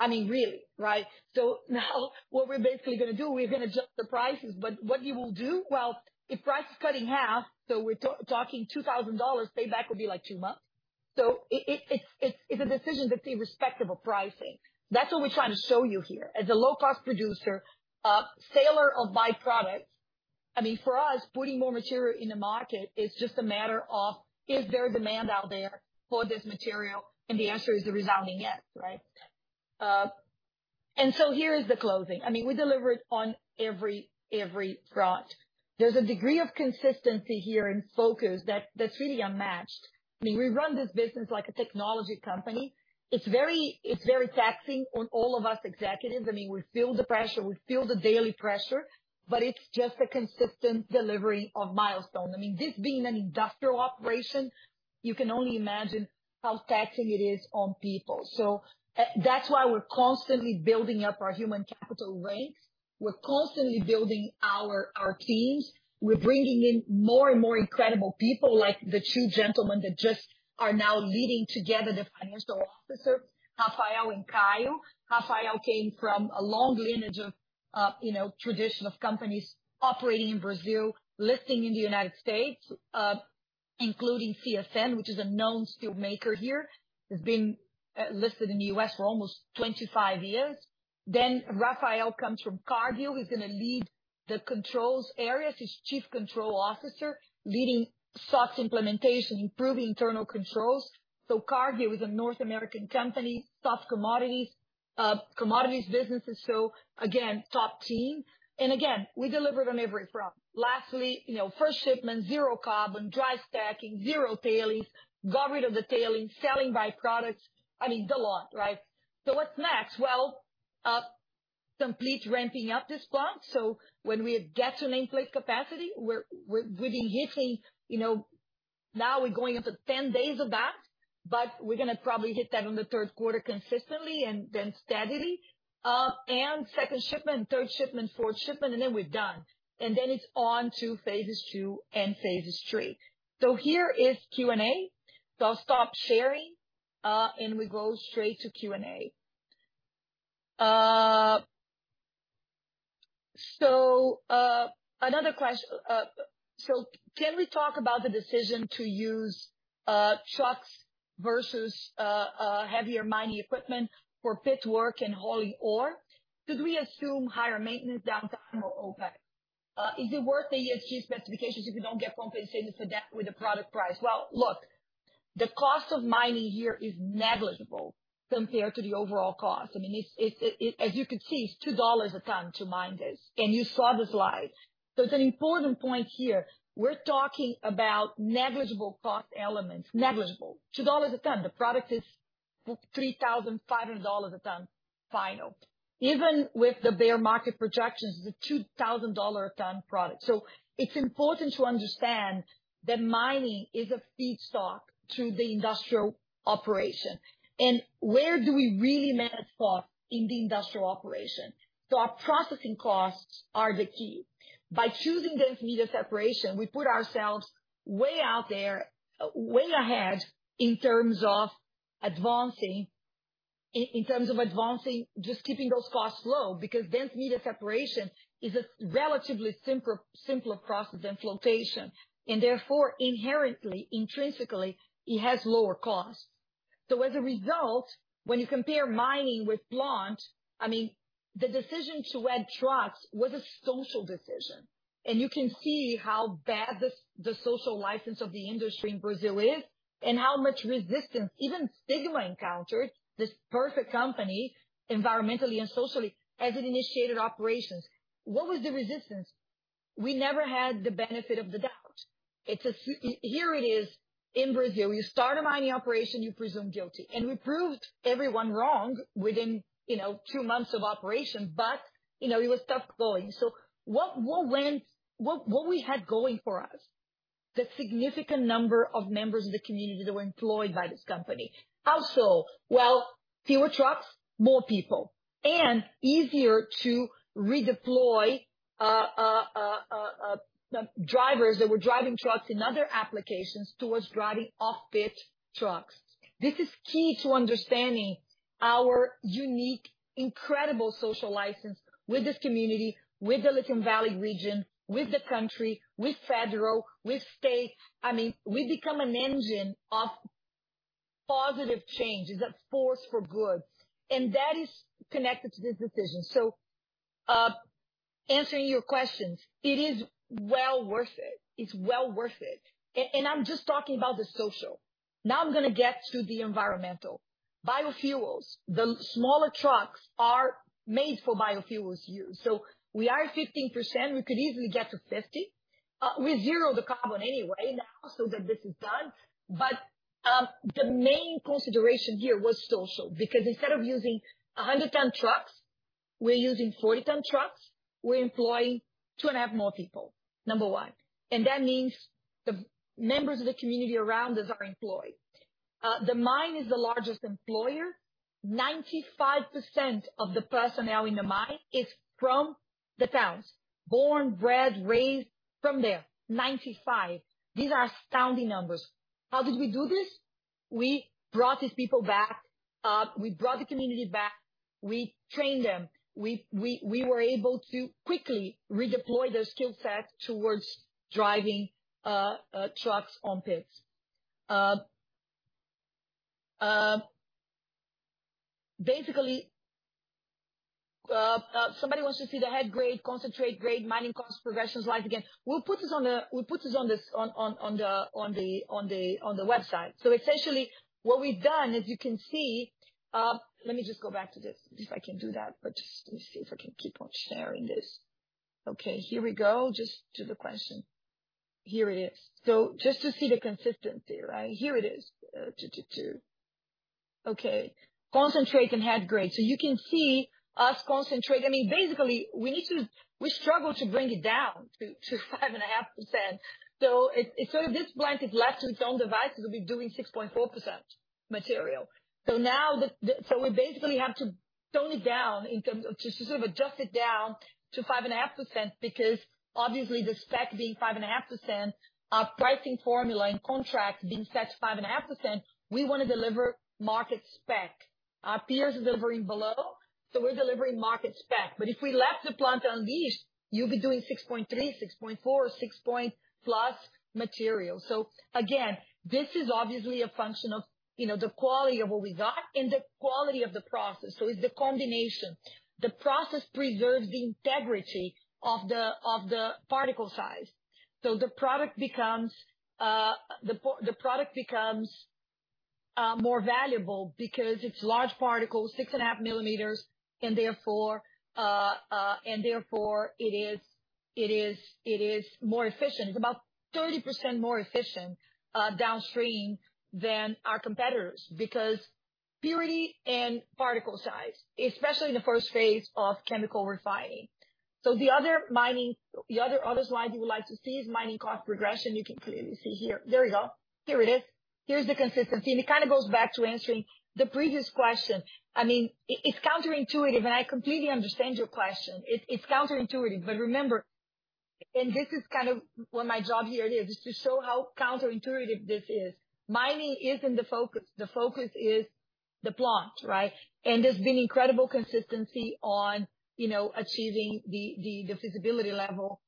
I mean, really, right? Now what we're basically gonna do, we're gonna adjust the prices. What you will do? Well, if price is cut in half, we're talking $2,000, payback will be like two months. It, it, it's, it's a decision to see respectable pricing. That's what we're trying to show you here. As a low-cost producer, seller of byproducts, I mean, for us, putting more material in the market is just a matter of, is there a demand out there for this material? The answer is a resounding yes, right? Here is the closing. I mean, we delivered on every, every front. There's a degree of consistency here and focus that, that's really unmatched. I mean, we run this business like a technology company. It's very, it's very taxing on all of us executives. I mean, we feel the pressure, we feel the daily pressure, but it's just a consistent delivery of milestones. I mean, this being an industrial operation, you can only imagine how taxing it is on people. That's why we're constantly building up our human capital ranks. We're constantly building our, our teams. We're bringing in more and more incredible people, like the two gentlemen that just are now leading together, the financial officer, Rafael and Kyle. Rafael came from a long lineage of, you know, traditional companies operating in Brazil, listing in the United States... including CSN, which is a known steel maker here, has been listed in the US for almost 25 years. Rafael comes from Cargill. He's gonna lead the controls areas. He's Chief Control Officer, leading SOX implementation, improving internal controls. Cargill is a North American company, soft commodities, commodities businesses. Again, top team, and again, we delivered on every front. Lastly, you know, first shipment, zero carbon, dry stacking, zero tailings, got rid of the tailings, selling byproducts. I mean, the lot, right? What's next? Well, complete ramping up this plant. When we get to nameplate capacity, we're, we're, we've been hitting, you know, now we're going up to 10 days of that, but we're gonna probably hit that in the third quarter consistently and then steadily. Second shipment, third shipment, fourth shipment, and then we're done. Then it's on to phases II and phases III. Here is Q&A. I'll stop sharing, and we go straight to Q&A. Another, can we talk about the decision to use trucks versus heavier mining equipment for pit work and hauling ore? Should we assume higher maintenance, downtime or OpEx? Is it worth the ESG specifications if you don't get compensated for that with the product price? Well, look, the cost of mining here is negligible compared to the overall cost. I mean, it's, as you can see, it's $2 a ton to mine this. You saw the slide. It's an important point here. We're talking about negligible cost elements. Negligible. $2 a ton. The product is $3,500 a ton, final. Even with the bear market projections, it's a $2,000 a ton product. It's important to understand that mining is a feedstock to the industrial operation. Where do we really manage cost in the industrial operation? Our processing costs are the key. By choosing dense media separation, we put ourselves way out there, way ahead in terms of advancing, just keeping those costs low, because dense media separation is a relatively simpler process than flotation, and therefore inherently, intrinsically, it has lower costs. As a result, when you compare mining with plant, I mean, the decision to add trucks was a social decision, and you can see how bad the social license of the industry in Brazil is, and how much resistance even Sigma encountered, this perfect company, environmentally and socially, as it initiated operations. What was the resistance? We never had the benefit of the doubt. Here it is in Brazil. You start a mining operation, you're presumed guilty. We proved everyone wrong within, you know, two months of operation, but, you know, it was tough going. What we had going for us? The significant number of members of the community that were employed by this company. How so? Well, fewer trucks, more people, and easier to redeploy drivers that were driving trucks in other applications towards driving off-pit trucks. This is key to understanding our unique, incredible social license with this community, with the Lithium Valley region, with the country, with federal, with state. I mean, we've become an engine of positive change. It's a force for good, and that is connected to this decision. Answering your questions, it is well worth it. It's well worth it. I'm just talking about the social. Now I'm gonna get to the environmental. Biofuels. The smaller trucks are made for biofuels use. We are at 15%, we could easily get to 50. We zeroed the carbon anyway, now, so that this is done. The main consideration here was social, because instead of using 100 ton trucks, we're using 40 ton trucks. We employ 2.5 more people, number one, and that means the members of the community around us are employed. The mine is the largest employer. 95% of the personnel in the mine is from the towns. Born, bred, raised, from there. 95. These are astounding numbers. How did we do this? We brought these people back. We brought the community back. We trained them. We, we, we were able to quickly redeploy those skill sets towards driving trucks on pits. Basically, somebody wants to see the head grade, concentrate grade, mining cost progressions slide again. We'll put this on the, we'll put this on the, on, on, on the, on the, on the website. Essentially, what we've done, as you can see. Let me just go back to this, if I can do that, but just let me see if I can keep on sharing this. Okay, here we go. Just to the question. Here it is. Just to see the consistency, right? Here it is. Okay. Concentrate and head grade. You can see us concentrate. I mean, basically, we need to, we struggle to bring it down to 5.5%. If so this plant is left to its own devices, we'll be doing 6.4% material. Now we basically have to tone it down in terms of, to sort of adjust it down to 5.5%, because obviously the spec being 5.5%, our pricing formula and contract being set to 5.5%, we want to deliver market spec. Our peers are delivering below.... We're delivering market spec. If we left the plant unleashed, you'll be doing 6.3, 6.4, 6.+ material. Again, this is obviously a function of, you know, the quality of what we got and the quality of the process. It's the combination. The process preserves the integrity of the particle size. The product becomes, the product becomes more valuable because it's large particles, 6.5 millimeters, and therefore, and therefore, it is, it is, it is more efficient. It's about 30% more efficient downstream than our competitors, because purity and particle size, especially in the first phase of chemical refining. The other, other slide we would like to see is mining cost progression. You can clearly see here. There we go. Here it is. Here's the consistency, and it kind of goes back to answering the previous question. I mean, it, it's counterintuitive, and I completely understand your question. It, it's counterintuitive, remember, and this is kind of what my job here is, just to show how counterintuitive this is. Mining isn't the focus. The focus is the plant, right? There's been incredible consistency on, you know, achieving the, the, the feasibility level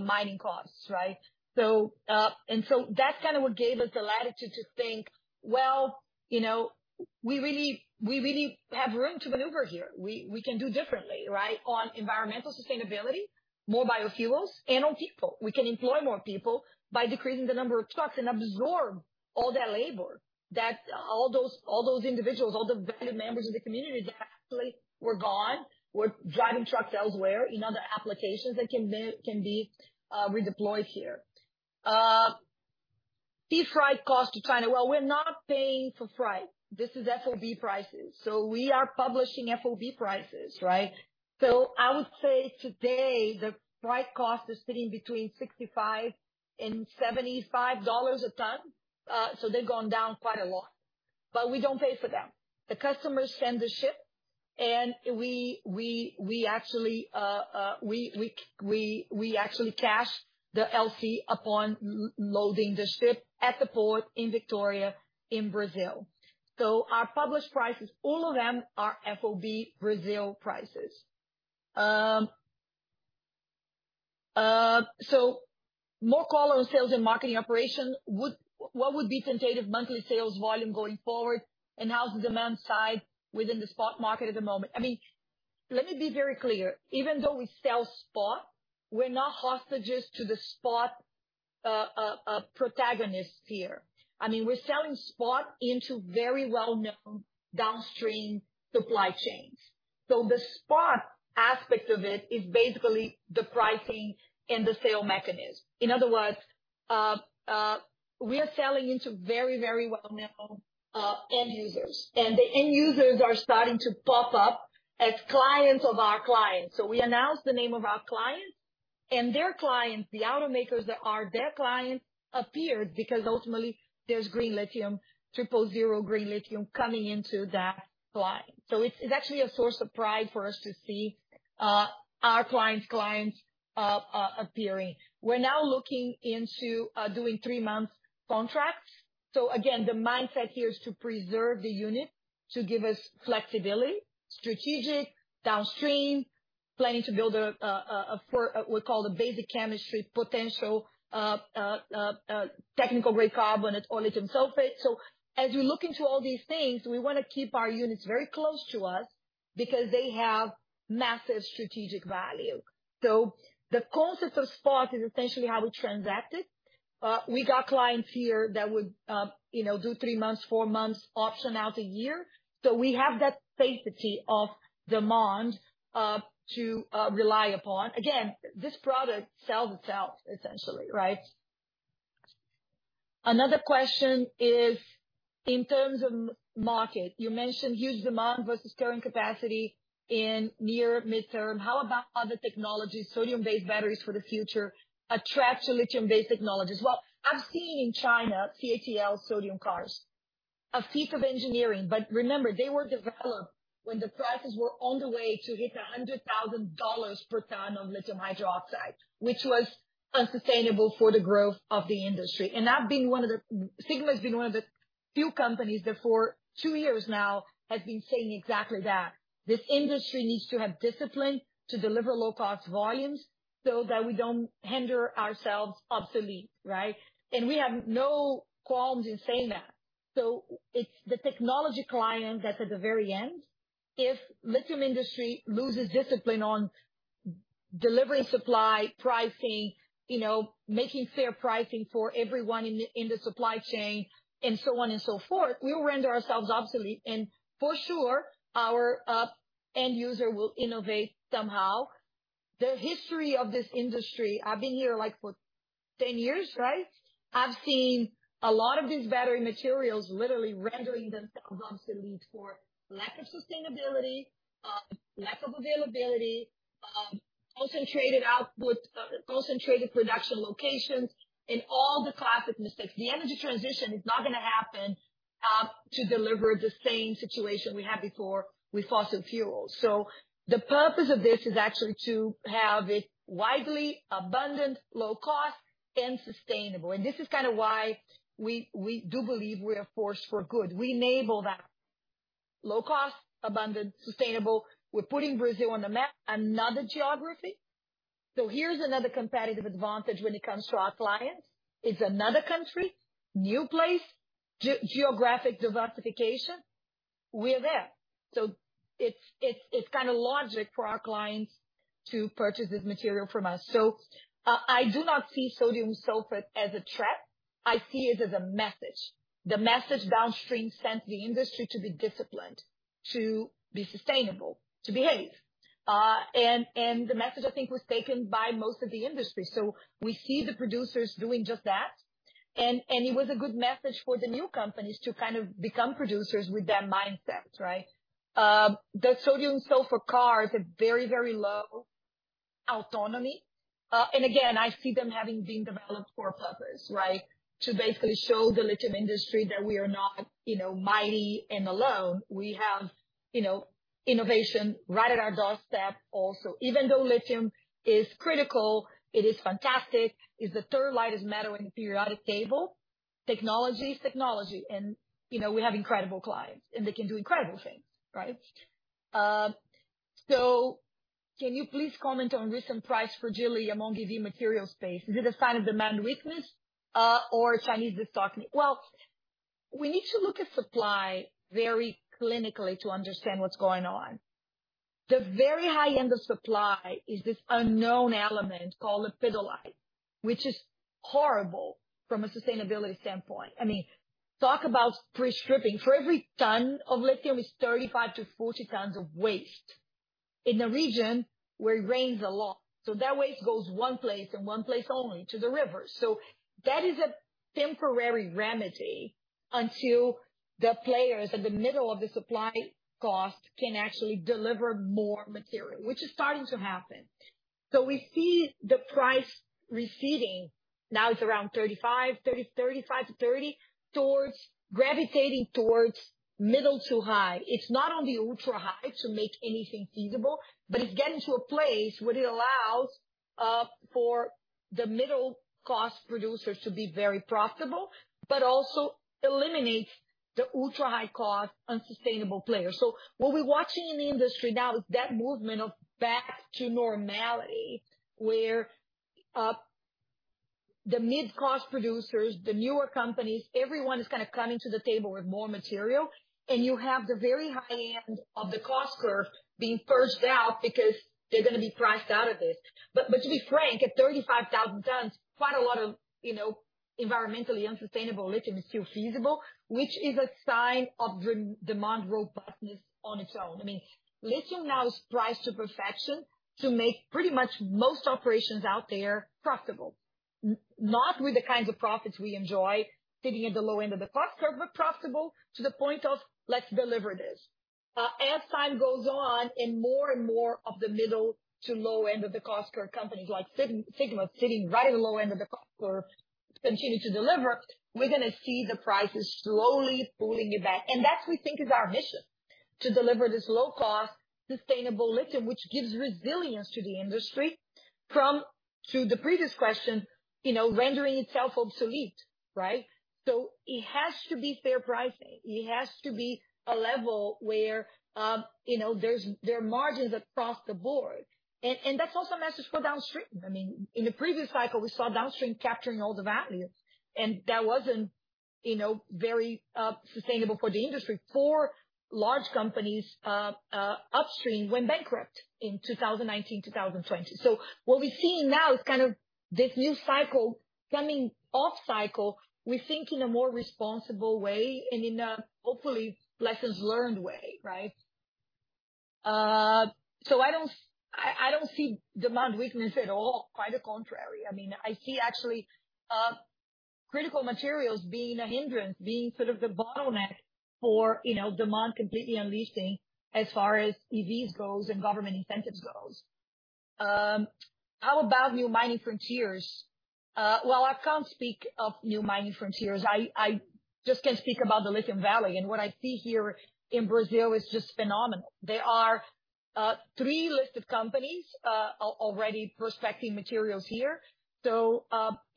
mining costs, right? That's kind of what gave us the latitude to think, well, you know, we really, we really have room to maneuver here. We, we can do differently, right? On environmental sustainability, more biofuels and on people. We can employ more people by decreasing the number of trucks and absorb all that labor, that all those, all those individuals, all the valued members of the community that actually were gone, were driving trucks elsewhere in other applications that can be, can be redeployed here. Sea freight costs to China. Well, we're not paying for freight. This is FOB prices. We are publishing FOB prices, right? I would say today, the freight cost is sitting between $65 and $75 a ton. They've gone down quite a lot, but we don't pay for them. The customers send the ship, and we, we, we actually, we, we, we, we actually cash the LC upon loading the ship at the port in Vitória, in Brazil. Our published prices, all of them, are FOB Brazil prices. More call on sales and marketing operations. What would be tentative monthly sales volume going forward, and how's the demand side within the spot market at the moment? I mean, let me be very clear. Even though we sell spot, we're not hostages to the spot protagonists here. I mean, we're selling spot into very well-known downstream supply chains. The spot aspect of it is basically the pricing and the sale mechanism. In other words, we are selling into very, very well-known end users. The end users are starting to pop up as clients of our clients. We announce the name of our clients and their clients, the automakers that are their clients, appeared because ultimately there's green lithium, Triple Zero Green Lithium coming into that line. It's actually a source of pride for us to see our client's clients appearing. We're now looking into doing three month contracts. Again, the mindset here is to preserve the unit, to give us flexibility, strategic, downstream, planning to build what we call the basic chemistry potential, technical-grade carbon and all lithium sulfate. As we look into all these things, we wanna keep our units very close to us because they have massive strategic value. The concept of spot is essentially how we transacted. We got clients here that would, you know, do three months, four months, option out one year. We have that safety of demand to rely upon. Again, this product sells itself essentially, right? Another question is, in terms of market, you mentioned huge demand versus current capacity in near midterm. How about other technologies, sodium-based batteries for the future, attract to lithium-based technologies? Well, I've seen in China, CATL sodium cars, a feat of engineering. Remember, they were developed when the prices were on the way to hit $100,000 per ton of lithium hydroxide, which was unsustainable for the growth of the industry. I've been one of the-- Sigma has been one of the few companies that, for two years now, has been saying exactly that. This industry needs to have discipline to deliver low-cost volumes so that we don't hinder ourselves obsolete, right? We have no qualms in saying that. It's the technology client that's at the very end. If lithium industry loses discipline on delivery, supply, pricing, you know, making fair pricing for everyone in the, in the supply chain, and so on and so forth, we will render ourselves obsolete, and for sure, our end user will innovate somehow. The history of this industry, I've been here, like, for 10 years, right? I've seen a lot of these battery materials literally rendering themselves obsolete for lack of sustainability, lack of availability, concentrated output, concentrated production locations, and all the classic mistakes. The energy transition is not gonna happen, to deliver the same situation we had before with fossil fuels. The purpose of this is actually to have it widely abundant, low cost, and sustainable. This is kind of why we, we do believe we're a force for good. We enable that. Low cost, abundant, sustainable. We're putting Brazil on the map, another geography. Here's another competitive advantage when it comes to our clients. It's another country, new place, geographic diversification. We're there. It's, it's, it's kind of logic for our clients to purchase this material from us. I do not see sodium sulfate as a threat. I see it as a message. The message downstream sent the industry to be disciplined, to be sustainable, to behave. The message, I think, was taken by most of the industry. We see the producers doing just that. And it was a good message for the new companies to kind of become producers with that mindset, right? The sodium sulfur car has a very, very low autonomy. Again, I see them having been developed for a purpose, right? To basically show the lithium industry that we are not, you know, mighty and alone. We have, you know, innovation right at our doorstep also. Even though lithium is critical, it is fantastic, it's the third lightest metal in the periodic table, technology is technology. You know, we have incredible clients, and they can do incredible things, right? Can you please comment on recent price fragility among EV material space? Is it a sign of demand weakness or Chinese restocking? Well, we need to look at supply very clinically to understand what's going on. The very high end of supply is this unknown element called lepidolite, which is horrible from a sustainability standpoint. I mean, talk about free stripping. For every ton of lithium, it's 35-40 tons of waste in a region where it rains a lot. That waste goes one place and one place only, to the river. That is a temporary remedy until the players at the middle of the supply cost can actually deliver more material, which is starting to happen. We see the price receding. Now it's around $3,500-$3,000, gravitating towards middle to high. It's not on the ultra high to make anything feasible, but it's getting to a place where it allows for the middle-cost producers to be very profitable, but also eliminates the ultra-high cost, unsustainable players. What we're watching in the industry now is that movement of back to normality, where the mid-cost producers, the newer companies, everyone is kind of coming to the table with more material, and you have the very high end of the cost curve being purged out because they're gonna be priced out of this. To be frank, at 35,000 tons, quite a lot of, you know, environmentally unsustainable lithium is still feasible, which is a sign of demand robustness on its own. I mean, lithium now is priced to perfection to make pretty much most operations out there profitable. Not with the kinds of profits we enjoy sitting at the low end of the cost curve, but profitable to the point of, "Let's deliver this." As time goes on, and more and more of the middle to low end of the cost curve, companies like Sigma, sitting right at the low end of the cost curve, continue to deliver, we're gonna see the prices slowly pulling back. That, we think, is our mission, to deliver this low-cost, sustainable lithium, which gives resilience to the industry to the previous question, you know, rendering itself obsolete, right? It has to be fair pricing. It has to be a level where, you know, there are margins across the board. That's also a message for downstream. I mean, in the previous cycle, we saw downstream capturing all the values, and that wasn't, you know, very sustainable for the industry. Four large companies upstream went bankrupt in 2019, 2020. What we're seeing now is kind of this new cycle coming off cycle, we think in a more responsible way and in a, hopefully, lessons learned way, right? I don't, I, I don't see demand weakness at all. Quite the contrary. I mean, I see actually critical materials being a hindrance, being sort of the bottleneck for, you know, demand completely unleashing as far as EVs goes and government incentives goes. How about new mining frontiers? Well, I can't speak of new mining frontiers. I, I just can speak about the Lithium Valley, and what I see here in Brazil is just phenomenal. There are 3 listed companies already prospecting materials here. You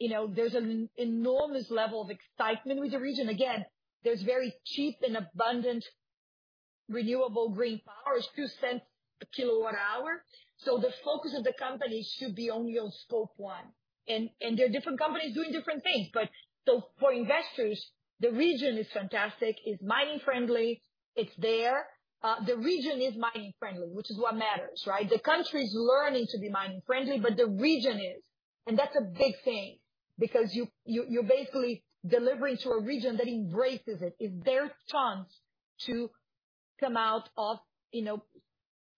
know, there's an enormous level of excitement with the region. Again, there's very cheap and abundant renewable green power. It's $0.02 a kilowatt hour. The focus of the company should be only on Scope 1. There are different companies doing different things. For investors, the region is fantastic, it's mining friendly, it's there. The region is mining friendly, which is what matters, right? The country is learning to be mining friendly, but the region is. That's a big thing, because you're basically delivering to a region that embraces it. It's their chance to come out of, you know,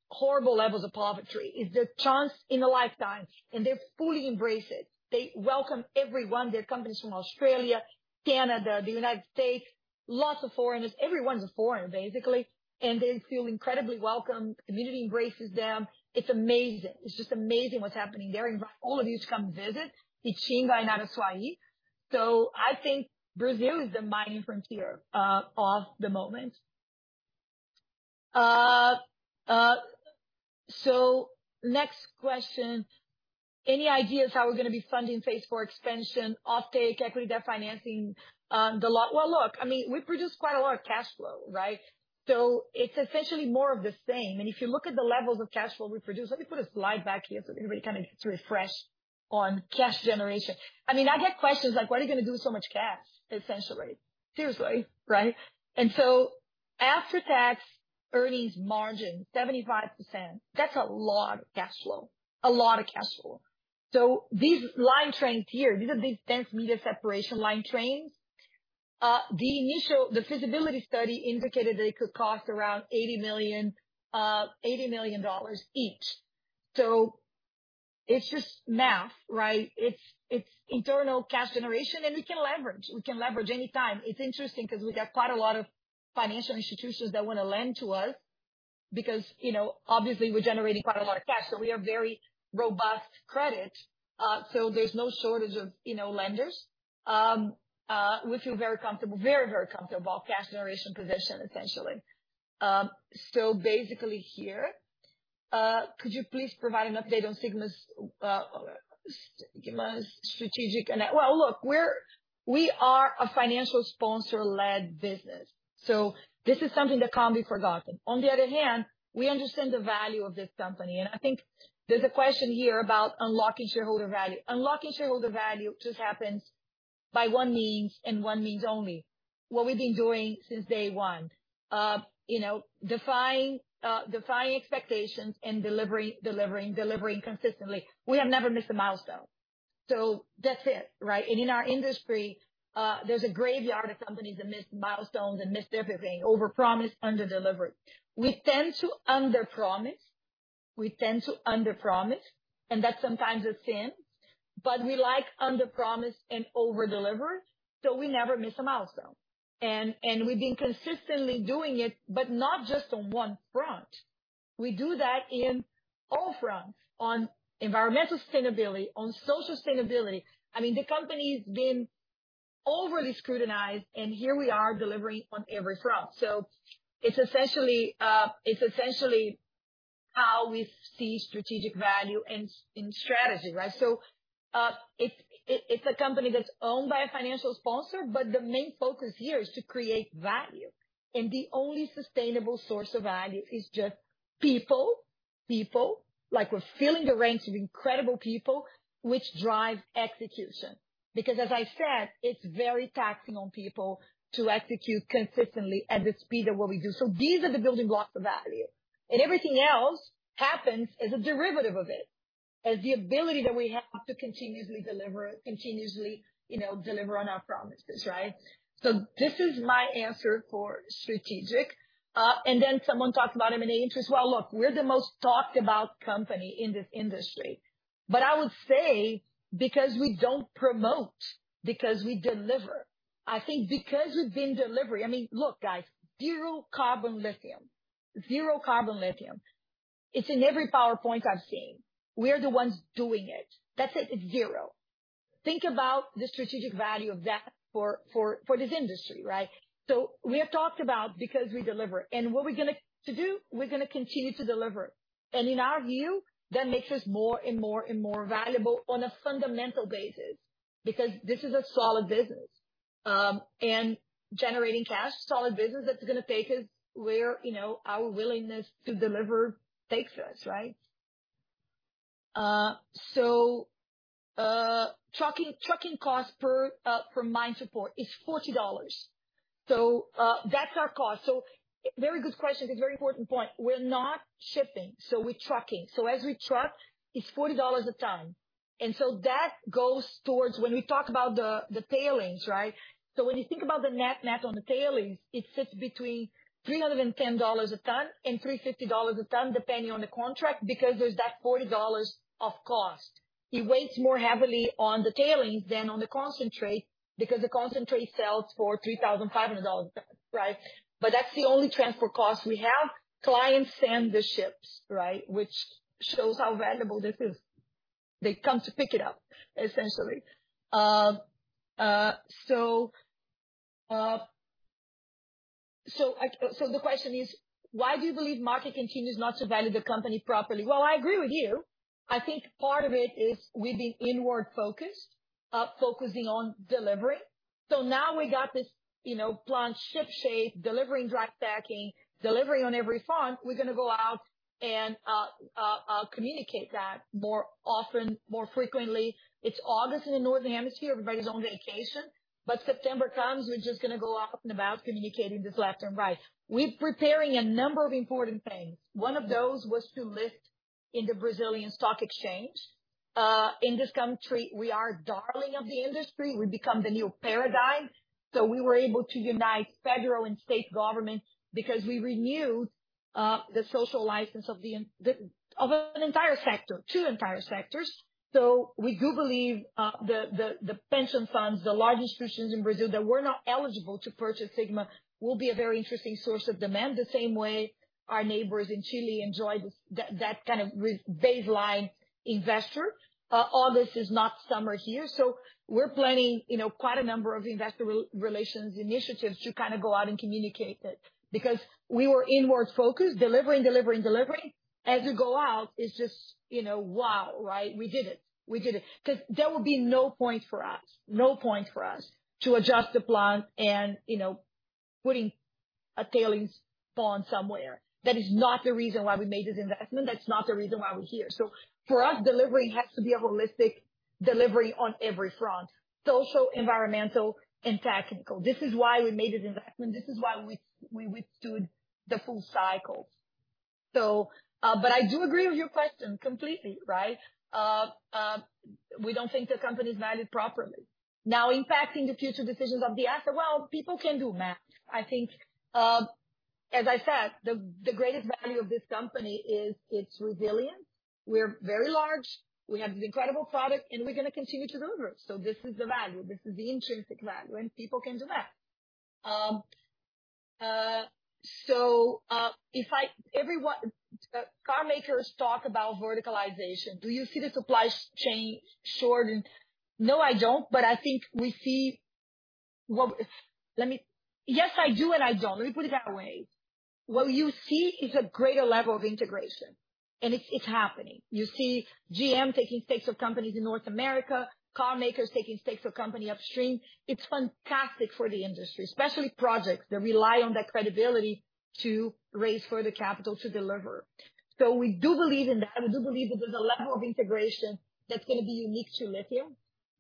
horrible levels of poverty. It's a chance in a lifetime, and they fully embrace it. They welcome everyone. There are companies from Australia, Canada, the United States, lots of foreigners. Everyone's a foreigner, basically, and they feel incredibly welcome. The community embraces them. It's amazing. It's just amazing what's happening there. I invite all of you to come visit, Itinga and Araçuaí. Next question: Any ideas how we're gonna be funding phase IV expansion, offtake, equity, debt financing, the lot? Well, look, I mean, we produce quite a lot of cash flow, right? It's essentially more of the same. If you look at the levels of cash flow we produce. Let me put a slide back here for everybody kind of to refresh on cash generation. I mean, I get questions like, "What are you gonna do with so much cash?" Essentially. Seriously, right? After tax earnings margin, 75%, that's a lot of cash flow. A lot of cash flow. These line trains here, these are these dense media separation line trains. The initial-- the feasibility study indicated that it could cost around $80 million, $80 million each. It's just math, right? It's, it's internal cash generation, and we can leverage, we can leverage any time. It's interesting because we got quite a lot of financial institutions that wanna lend to us because, you know, obviously we're generating quite a lot of cash, so we are very robust credit. There's no shortage of, you know, lenders. We feel very comfortable, very, very comfortable about cash generation position, essentially. Basically here, could you please provide an update on Sigma's, Sigma's strategic and-- Well, look, we're, we are a financial sponsor-led business, so this is something that can't be forgotten. On the other hand, we understand the value of this company, and I think there's a question here about unlocking shareholder value. Unlocking shareholder value just happens by one means and one means only. What we've been doing since day one. You know, defying, defying expectations and delivering, delivering, delivering consistently. We have never missed a milestone. That's it, right? In our industry, there's a graveyard of companies that missed milestones and missed everything, overpromised, underdelivered. We tend to underpromise. We tend to underpromise, and that sometimes is seen, but we like underpromise and overdeliver, so we never miss a milestone. And we've been consistently doing it, but not just on one front. We do that in all fronts, on environmental sustainability, on social sustainability. I mean, the company's been overly scrutinized, and here we are delivering on every front. It's essentially, it's essentially how we see strategic value in strategy, right? It's, it, it's a company that's owned by a financial sponsor, but the main focus here is to create value, and the only sustainable source of value is just people, people. Like, we're filling the ranks with incredible people, which drives execution. Because as I said, it's very taxing on people to execute consistently at the speed of what we do. These are the building blocks of value, and everything else happens as a derivative of it, as the ability that we have to continuously deliver, continuously, you know, deliver on our promises, right? This is my answer for strategic. Someone talked about M&A interest. Well, look, we're the most talked about company in this industry, but I would say because we don't promote, because we deliver. I think because we've been delivering... I mean, look, guys, zero carbon lithium. Zero carbon lithium. It's in every PowerPoint I've seen. We are the ones doing it. That's it. It's zero. Think about the strategic value of that for, for, for this industry, right? We have talked about because we deliver. What we're gonna to do, we're gonna continue to deliver. In our view, that makes us more and more and more valuable on a fundamental basis, because this is a solid business. Generating cash, solid business, that's gonna take us where, you know, our willingness to deliver takes us, right? Trucking, trucking costs per mine support is $40. That's our cost. Very good question. It's a very important point. We're not shipping, so we're trucking. As we truck, it's $40 a ton. That goes towards when we talk about the tailings, right? When you think about the net-net on the tailings, it sits between $310 a ton and $350 a ton, depending on the contract, because there's that $40 of cost. It weighs more heavily on the tailings than on the concentrate, because the concentrate sells for $3,500 a ton, right? That's the only transfer cost. We have clients send the ships, right? Which shows how valuable this is. They come to pick it up, essentially. The question is, why do you believe market continues not to value the company properly? Well, I agree with you. I think part of it is we've been inward focused, focusing on delivery. Now we got this, you know, plant shipshape, delivering dry stacking, delivering on every front. We're gonna go out and communicate that more often, more frequently. It's August in the Northern Hemisphere, everybody's on vacation, September comes, we're just gonna go out and about communicating this left and right. We're preparing a number of important things. One of those was to list in the Brazilian Stock Exchange. In this country, we are darling of the industry. We've become the new paradigm. We were able to unite federal and state government because we renewed the social license of an entire sector, two entire sectors. We do believe the pension funds, the large institutions in Brazil that were not eligible to purchase Sigma, will be a very interesting source of demand, the same way our neighbors in Chile enjoy this, that, that kind of re- baseline investor. August is not summer here, so we're planning, you know, quite a number of investor re- relations initiatives to kind of go out and communicate it. Because we were inward focused, delivering, delivering, delivering. As we go out, it's just, you know, wow! Right? We did it. We did it. 'Cause there would be no point for us, no point for us to adjust the plan and, you know, putting a tailings pond somewhere. That is not the reason why we made this investment. That's not the reason why we're here. For us, delivery has to be a holistic delivery on every front: social, environmental, and technical. This is why we made this investment. This is why we, we withstood the full cycle. But I do agree with your question completely, right? We don't think the company is valued properly. Now, impacting the future decisions of the asset, well, people can do math. I think, as I said, the, the greatest value of this company is its resilience. We're very large, we have an incredible product, and we're gonna continue to deliver. This is the value, this is the intrinsic value, and people can do that. Everyone, car makers talk about verticalization. Do you see the supply chain shortened? No, I don't. I think we see what... Yes, I do, and I don't. Let me put it that way. What you see is a greater level of integration, and it's, it's happening. You see GM taking stakes of companies in North America, car makers taking stakes of company upstream. It's fantastic for the industry, especially projects that rely on that credibility to raise further capital to deliver. We do believe in that, and we do believe that there's a level of integration that's gonna be unique to lithium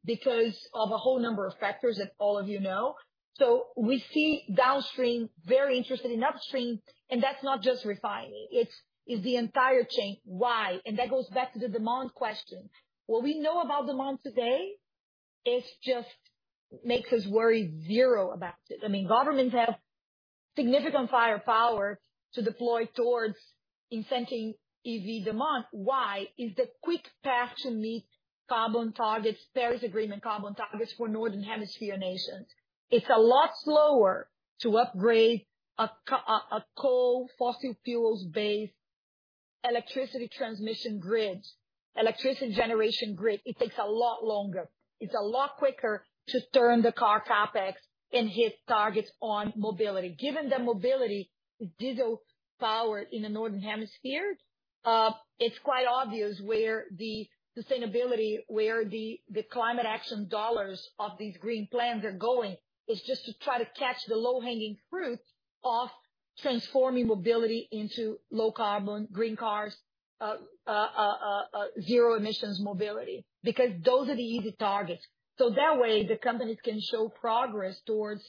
because of a whole number of factors that all of you know. We see downstream, very interested in upstream, and that's not just refining. It's, it's the entire chain. Why? That goes back to the demand question. What we know about demand today, it just makes us worry zero about it. I mean, governments have significant firepower to deploy towards incenting EV demand. Why? It's the quick path to meet carbon targets, Paris Agreement carbon targets for Northern Hemisphere nations. It's a lot slower to upgrade a coal, fossil fuels-based electricity transmission grid, electricity generation grid. It takes a lot longer. It's a lot quicker to turn the car CapEx and hit targets on mobility. Given that mobility is diesel-powered in the Northern Hemisphere, it's quite obvious where the sustainability, where the, the climate action dollars of these green plans are going. It's just to try to catch the low-hanging fruit of transforming mobility into low-carbon green cars, zero emissions mobility, because those are the easy targets. That way, the companies can show progress towards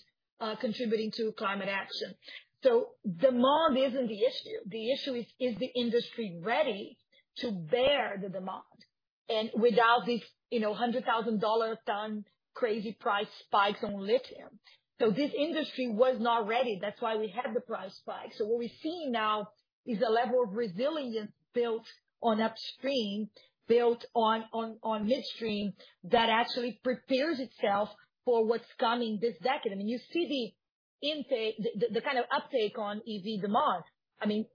contributing to climate action. Demand isn't the issue. The issue is: Is the industry ready to bear the demand? Without these, you know, $100,000/ton, crazy price spikes on lithium. This industry was not ready. That's why we had the price spike. What we're seeing now is a level of resilience built on upstream, built on, on, on midstream, that actually prepares itself for what's coming this decade. I mean, you see the intake, the kind of uptake on EV demand. I mean,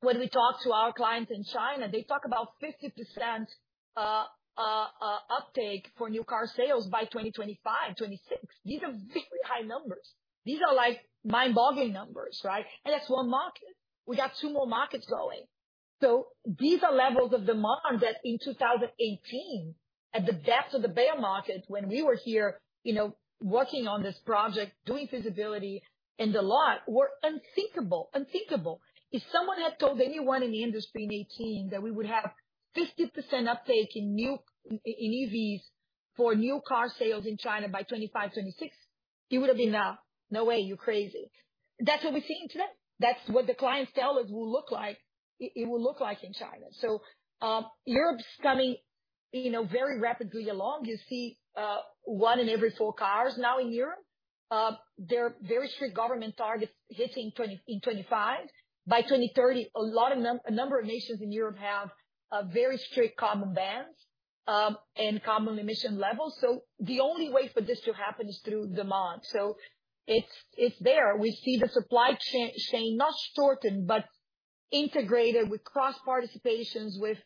when we talk to our clients in China, they talk about 50% uptake for new car sales by 2025, 2026. These are very high numbers! These are like mind-boggling numbers, right? That's one market. We got two more markets growing. These are levels of demand that in 2018, at the depths of the bear market, when we were here, you know, working on this project, doing feasibility and the lot, were unthinkable. Unthinkable. If someone had told anyone in the industry in 2018 that we would have 50% uptake in EVs for new car sales in China by 2025, 2026, it would have been, "Nah, no way, you're crazy." That's what we're seeing today. That's what the clients tell us will look like, it, it will look like in China. Europe's coming, you know, very rapidly along. You see one in every four cars now in Europe. There are very strict government targets hitting in 25. By 2030, a number of nations in Europe have a very strict carbon bans and carbon emission levels. The only way for this to happen is through demand. It's, it's there. We see the supply chain, chain, not shortened, but integrated with cross-participations with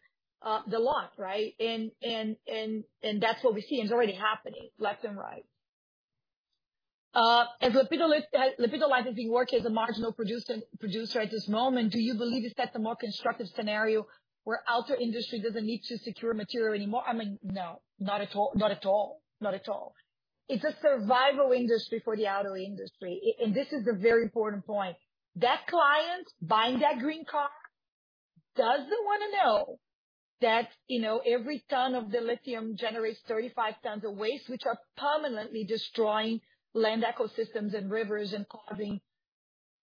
the lot, right? That's what we're seeing. It's already happening left and right. As lepidolite, lepidolite is being worked as a marginal producer at this moment, do you believe is that the more constructive scenario where auto industry doesn't need to secure material anymore? I mean, no, not at all. Not at all. Not at all. It's a survival industry for the auto industry, and this is a very important point. That client buying that green car doesn't wanna know that, you know, every ton of the lithium generates 35 tons of waste, which are permanently destroying land ecosystems and rivers and causing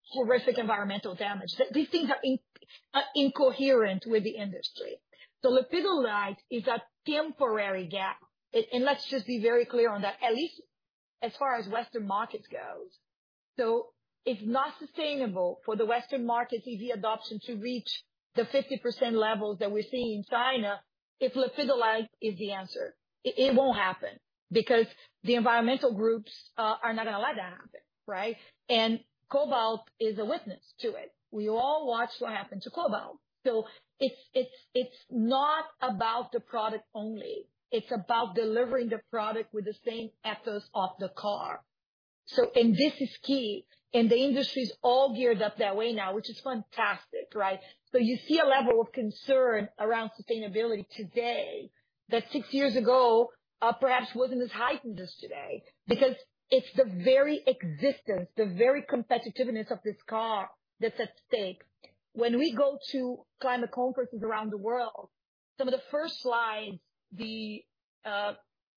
horrific environmental damage. These things are incoherent with the industry. The lepidolite is a temporary gap, and let's just be very clear on that, at least as far as Western markets goes. It's not sustainable for the Western markets' EV adoption to reach the 50% levels that we're seeing in China, if lepidolite is the answer. It, it won't happen because the environmental groups, are not gonna let that happen, right? Cobalt is a witness to it. We all watched what happened to cobalt. It's, it's, it's not about the product only. It's about delivering the product with the same ethos of the car. This is key, and the industry's all geared up that way now, which is fantastic, right? You see a level of concern around sustainability today, that 6 years ago, perhaps wasn't as heightened as today, because it's the very existence, the very competitiveness of this car that's at stake. When we go to climate conferences around the world, some of the first slides, the,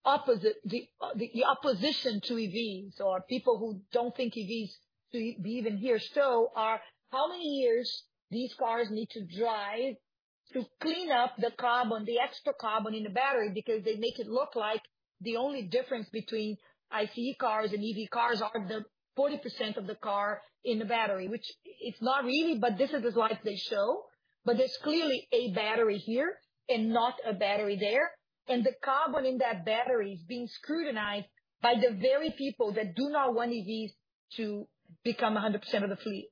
the opposition to EVs or people who don't think EVs should be even here. How many years these cars need to drive to clean up the carbon, the extra carbon in the battery? Because they make it look like the only difference between ICE cars and EV cars are the 40% of the car in the battery, which it's not really, but this is the slides they show. There's clearly a battery here and not a battery there. The carbon in that battery is being scrutinized by the very people that do not want EVs to become 100% of the fleet.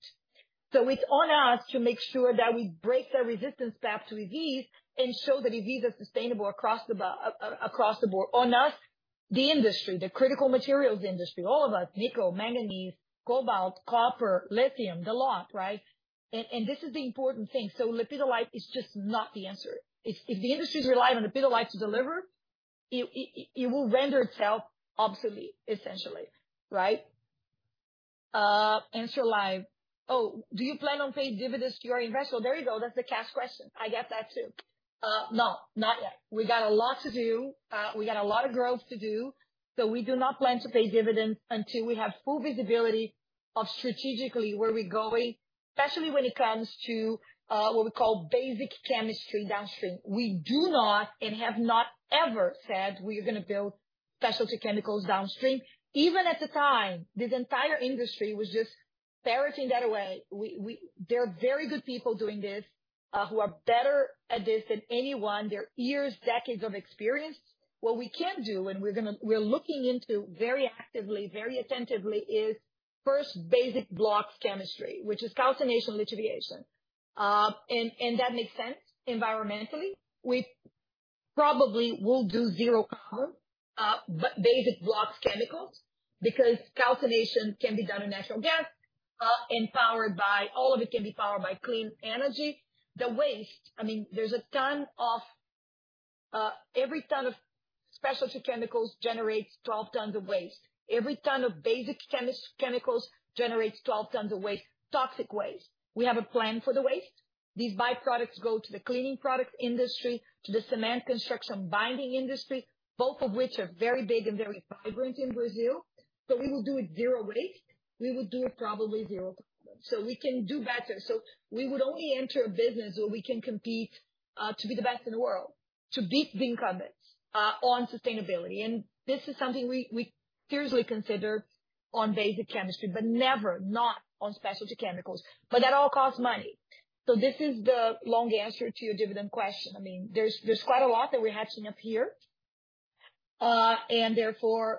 It's on us to make sure that we break the resistance back to EVs and show that EVs are sustainable across the board. On us, the industry, the critical materials industry, all of us, nickel, manganese, cobalt, copper, lithium, the lot, right? This is the important thing. Lepidolite is just not the answer. If the industry is relying on lepidolite to deliver, it will render itself obsolete, essentially, right? Answer live. Oh, do you plan on paying dividends to your investors? There you go. That's the cash question. I get that, too. No, not yet. We got a lot to do. We got a lot of growth to do. We do not plan to pay dividends until we have full visibility of strategically where we're going, especially when it comes to what we call basic chemistry downstream. We do not and have not ever said we are gonna build specialty chemicals downstream. Even at the time, this entire industry was just parroting that away. There are very good people doing this who are better at this than anyone. They're years, decades of experience. What we can do, and we're looking into very actively, very attentively, is first basic blocks chemistry, which is calcination and lithium. That makes sense environmentally. We probably will do zero carbon, but basic blocks chemicals, because calcination can be done on natural gas, and powered by. All of it can be powered by clean energy. The waste, I mean, there's a ton of. Every ton of specialty chemicals generates 12 tons of waste. Every ton of basic chemicals generates 12 tons of waste, toxic waste. We have a plan for the waste. These byproducts go to the cleaning product industry, to the cement construction binding industry, both of which are very big and very vibrant in Brazil. We will do it zero waste. We will do it probably zero carbon. We can do better. We would only enter a business where we can compete to be the best in the world, to beat the incumbents on sustainability. This is something we, we seriously consider on basic chemistry, but never, not on specialty chemicals. That all costs money. This is the long answer to your dividend question. I mean, there's, there's quite a lot that we're hatching up here. Therefore,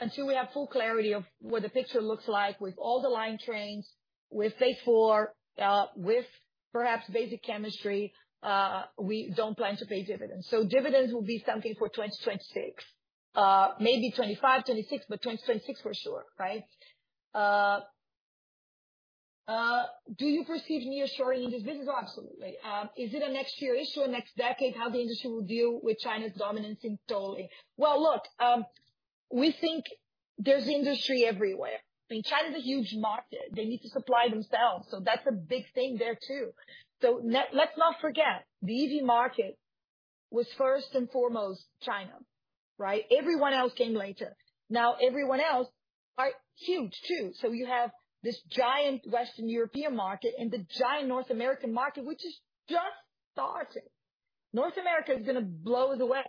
until we have full clarity of what the picture looks like with all the line trains, with phase IV, with perhaps basic chemistry, we don't plan to pay dividends. Dividends will be something for 2026, maybe 2025, 2026, but 2026 for sure, right? Do you foresee nearshoring in this business? Absolutely. Is it a next year issue or next decade, how the industry will deal with China's dominance in totally? Well, look, we think there's industry everywhere. I mean, China is a huge market. They need to supply themselves, that's a big thing there, too. Let, let's not forget, the EV market was first and foremost China, right? Everyone else came later. Now, everyone else are huge, too. You have this giant Western European market and the giant North American market, which is just starting. North America is gonna blow it away.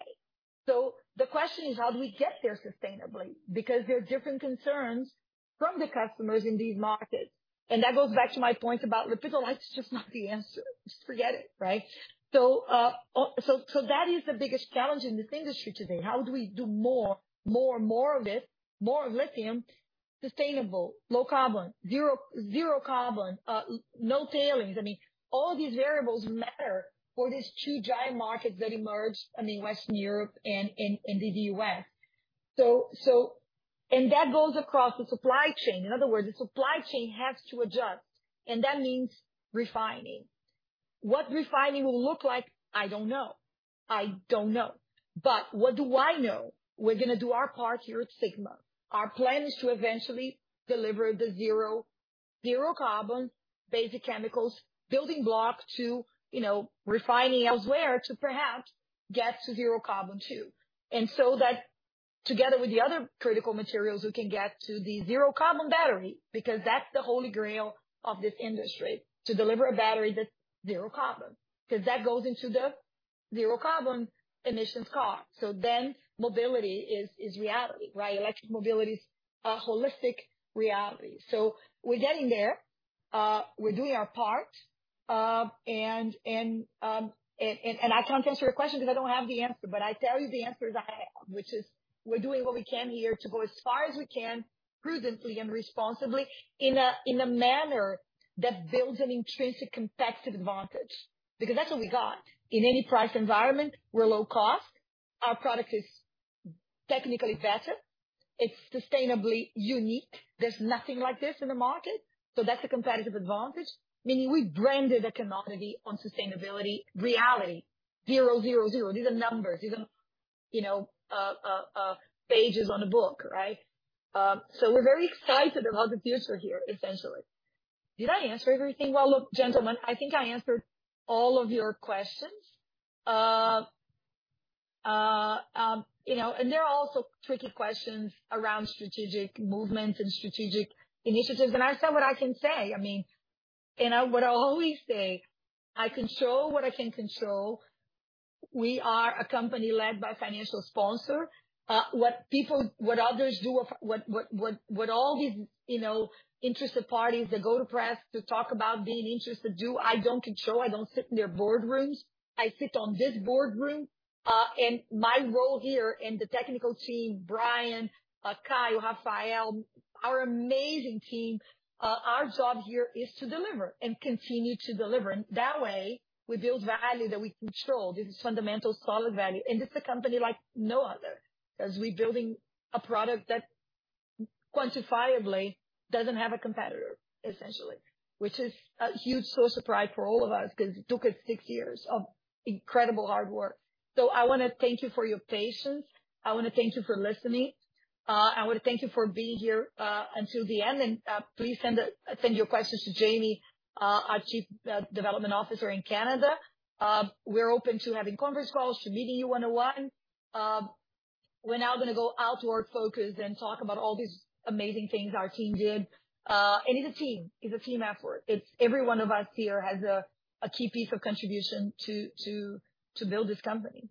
The question is, how do we get there sustainably? Because there are different concerns from the customers in these markets. That goes back to my point about lepidolite is just not the answer. Just forget it, right? That is the biggest challenge in this industry today. How do we do more, more, more of it, more lithium, sustainable, low carbon, zero, zero carbon, no tailings? I mean, all these variables matter for these two giant markets that emerged in Western Europe and in, and in the U.S. That goes across the supply chain. In other words, the supply chain has to adjust, and that means refining. What refining will look like, I don't know. I don't know. What do I know? We're gonna do our part here at Sigma. Our plan is to eventually deliver the zero, zero carbon basic chemicals, building block to, you know, refining elsewhere to perhaps get to zero carbon, too. So that together with the other critical materials, we can get to the zero carbon battery, because that's the holy grail of this industry, to deliver a battery that's zero carbon, because that goes into the zero carbon emissions car. Then mobility is, is reality, right? Electric mobility is a holistic reality. We're getting there. We're doing our part. I can't answer your question because I don't have the answer, but I tell you the answers I have, which is we're doing what we can here to go as far as we can prudently and responsibly in a, in a manner that builds an intrinsic competitive advantage, because that's what we got. In any price environment, we're low cost. Our product is technically better. It's sustainably unique. There's nothing like this in the market, that's a competitive advantage, meaning we've branded a commodity on sustainability reality. Zero, zero, zero. These are numbers. These are, you know, pages on a book, right? We're very excited about the future here, essentially. Did I answer everything? Well, look, gentlemen, I think I answered all of your questions. You know, there are also tricky questions around strategic movements and strategic initiatives, and I've said what I can say. I mean, and I what I always say, I control what I can control. We are a company led by a financial sponsor. What people, what others do, what all these, you know, interested parties that go to press to talk about being interested do, I don't control. I don't sit in their boardrooms. I sit on this boardroom. My role here and the technical team, Brian, Kyle, Rafael, our amazing team, our job here is to deliver and continue to deliver. That way, we build value that we control. This is fundamental, solid value, and this is a company like no other, 'cause we're building a product that quantifiably doesn't have a competitor, essentially. It is a huge source of pride for all of us, because it took us six years of incredible hard work. I wanna thank you for your patience. I wanna thank you for listening. I wanna thank you for being here until the end, and please send your questions to Jamie, our Chief Development Officer in Canada. We're open to having conference calls, to meeting you one-on-one. We're now gonna go outward focus and talk about all these amazing things our team did. It's a team, it's a team effort. It's every one of us here has a key piece of contribution to build this company.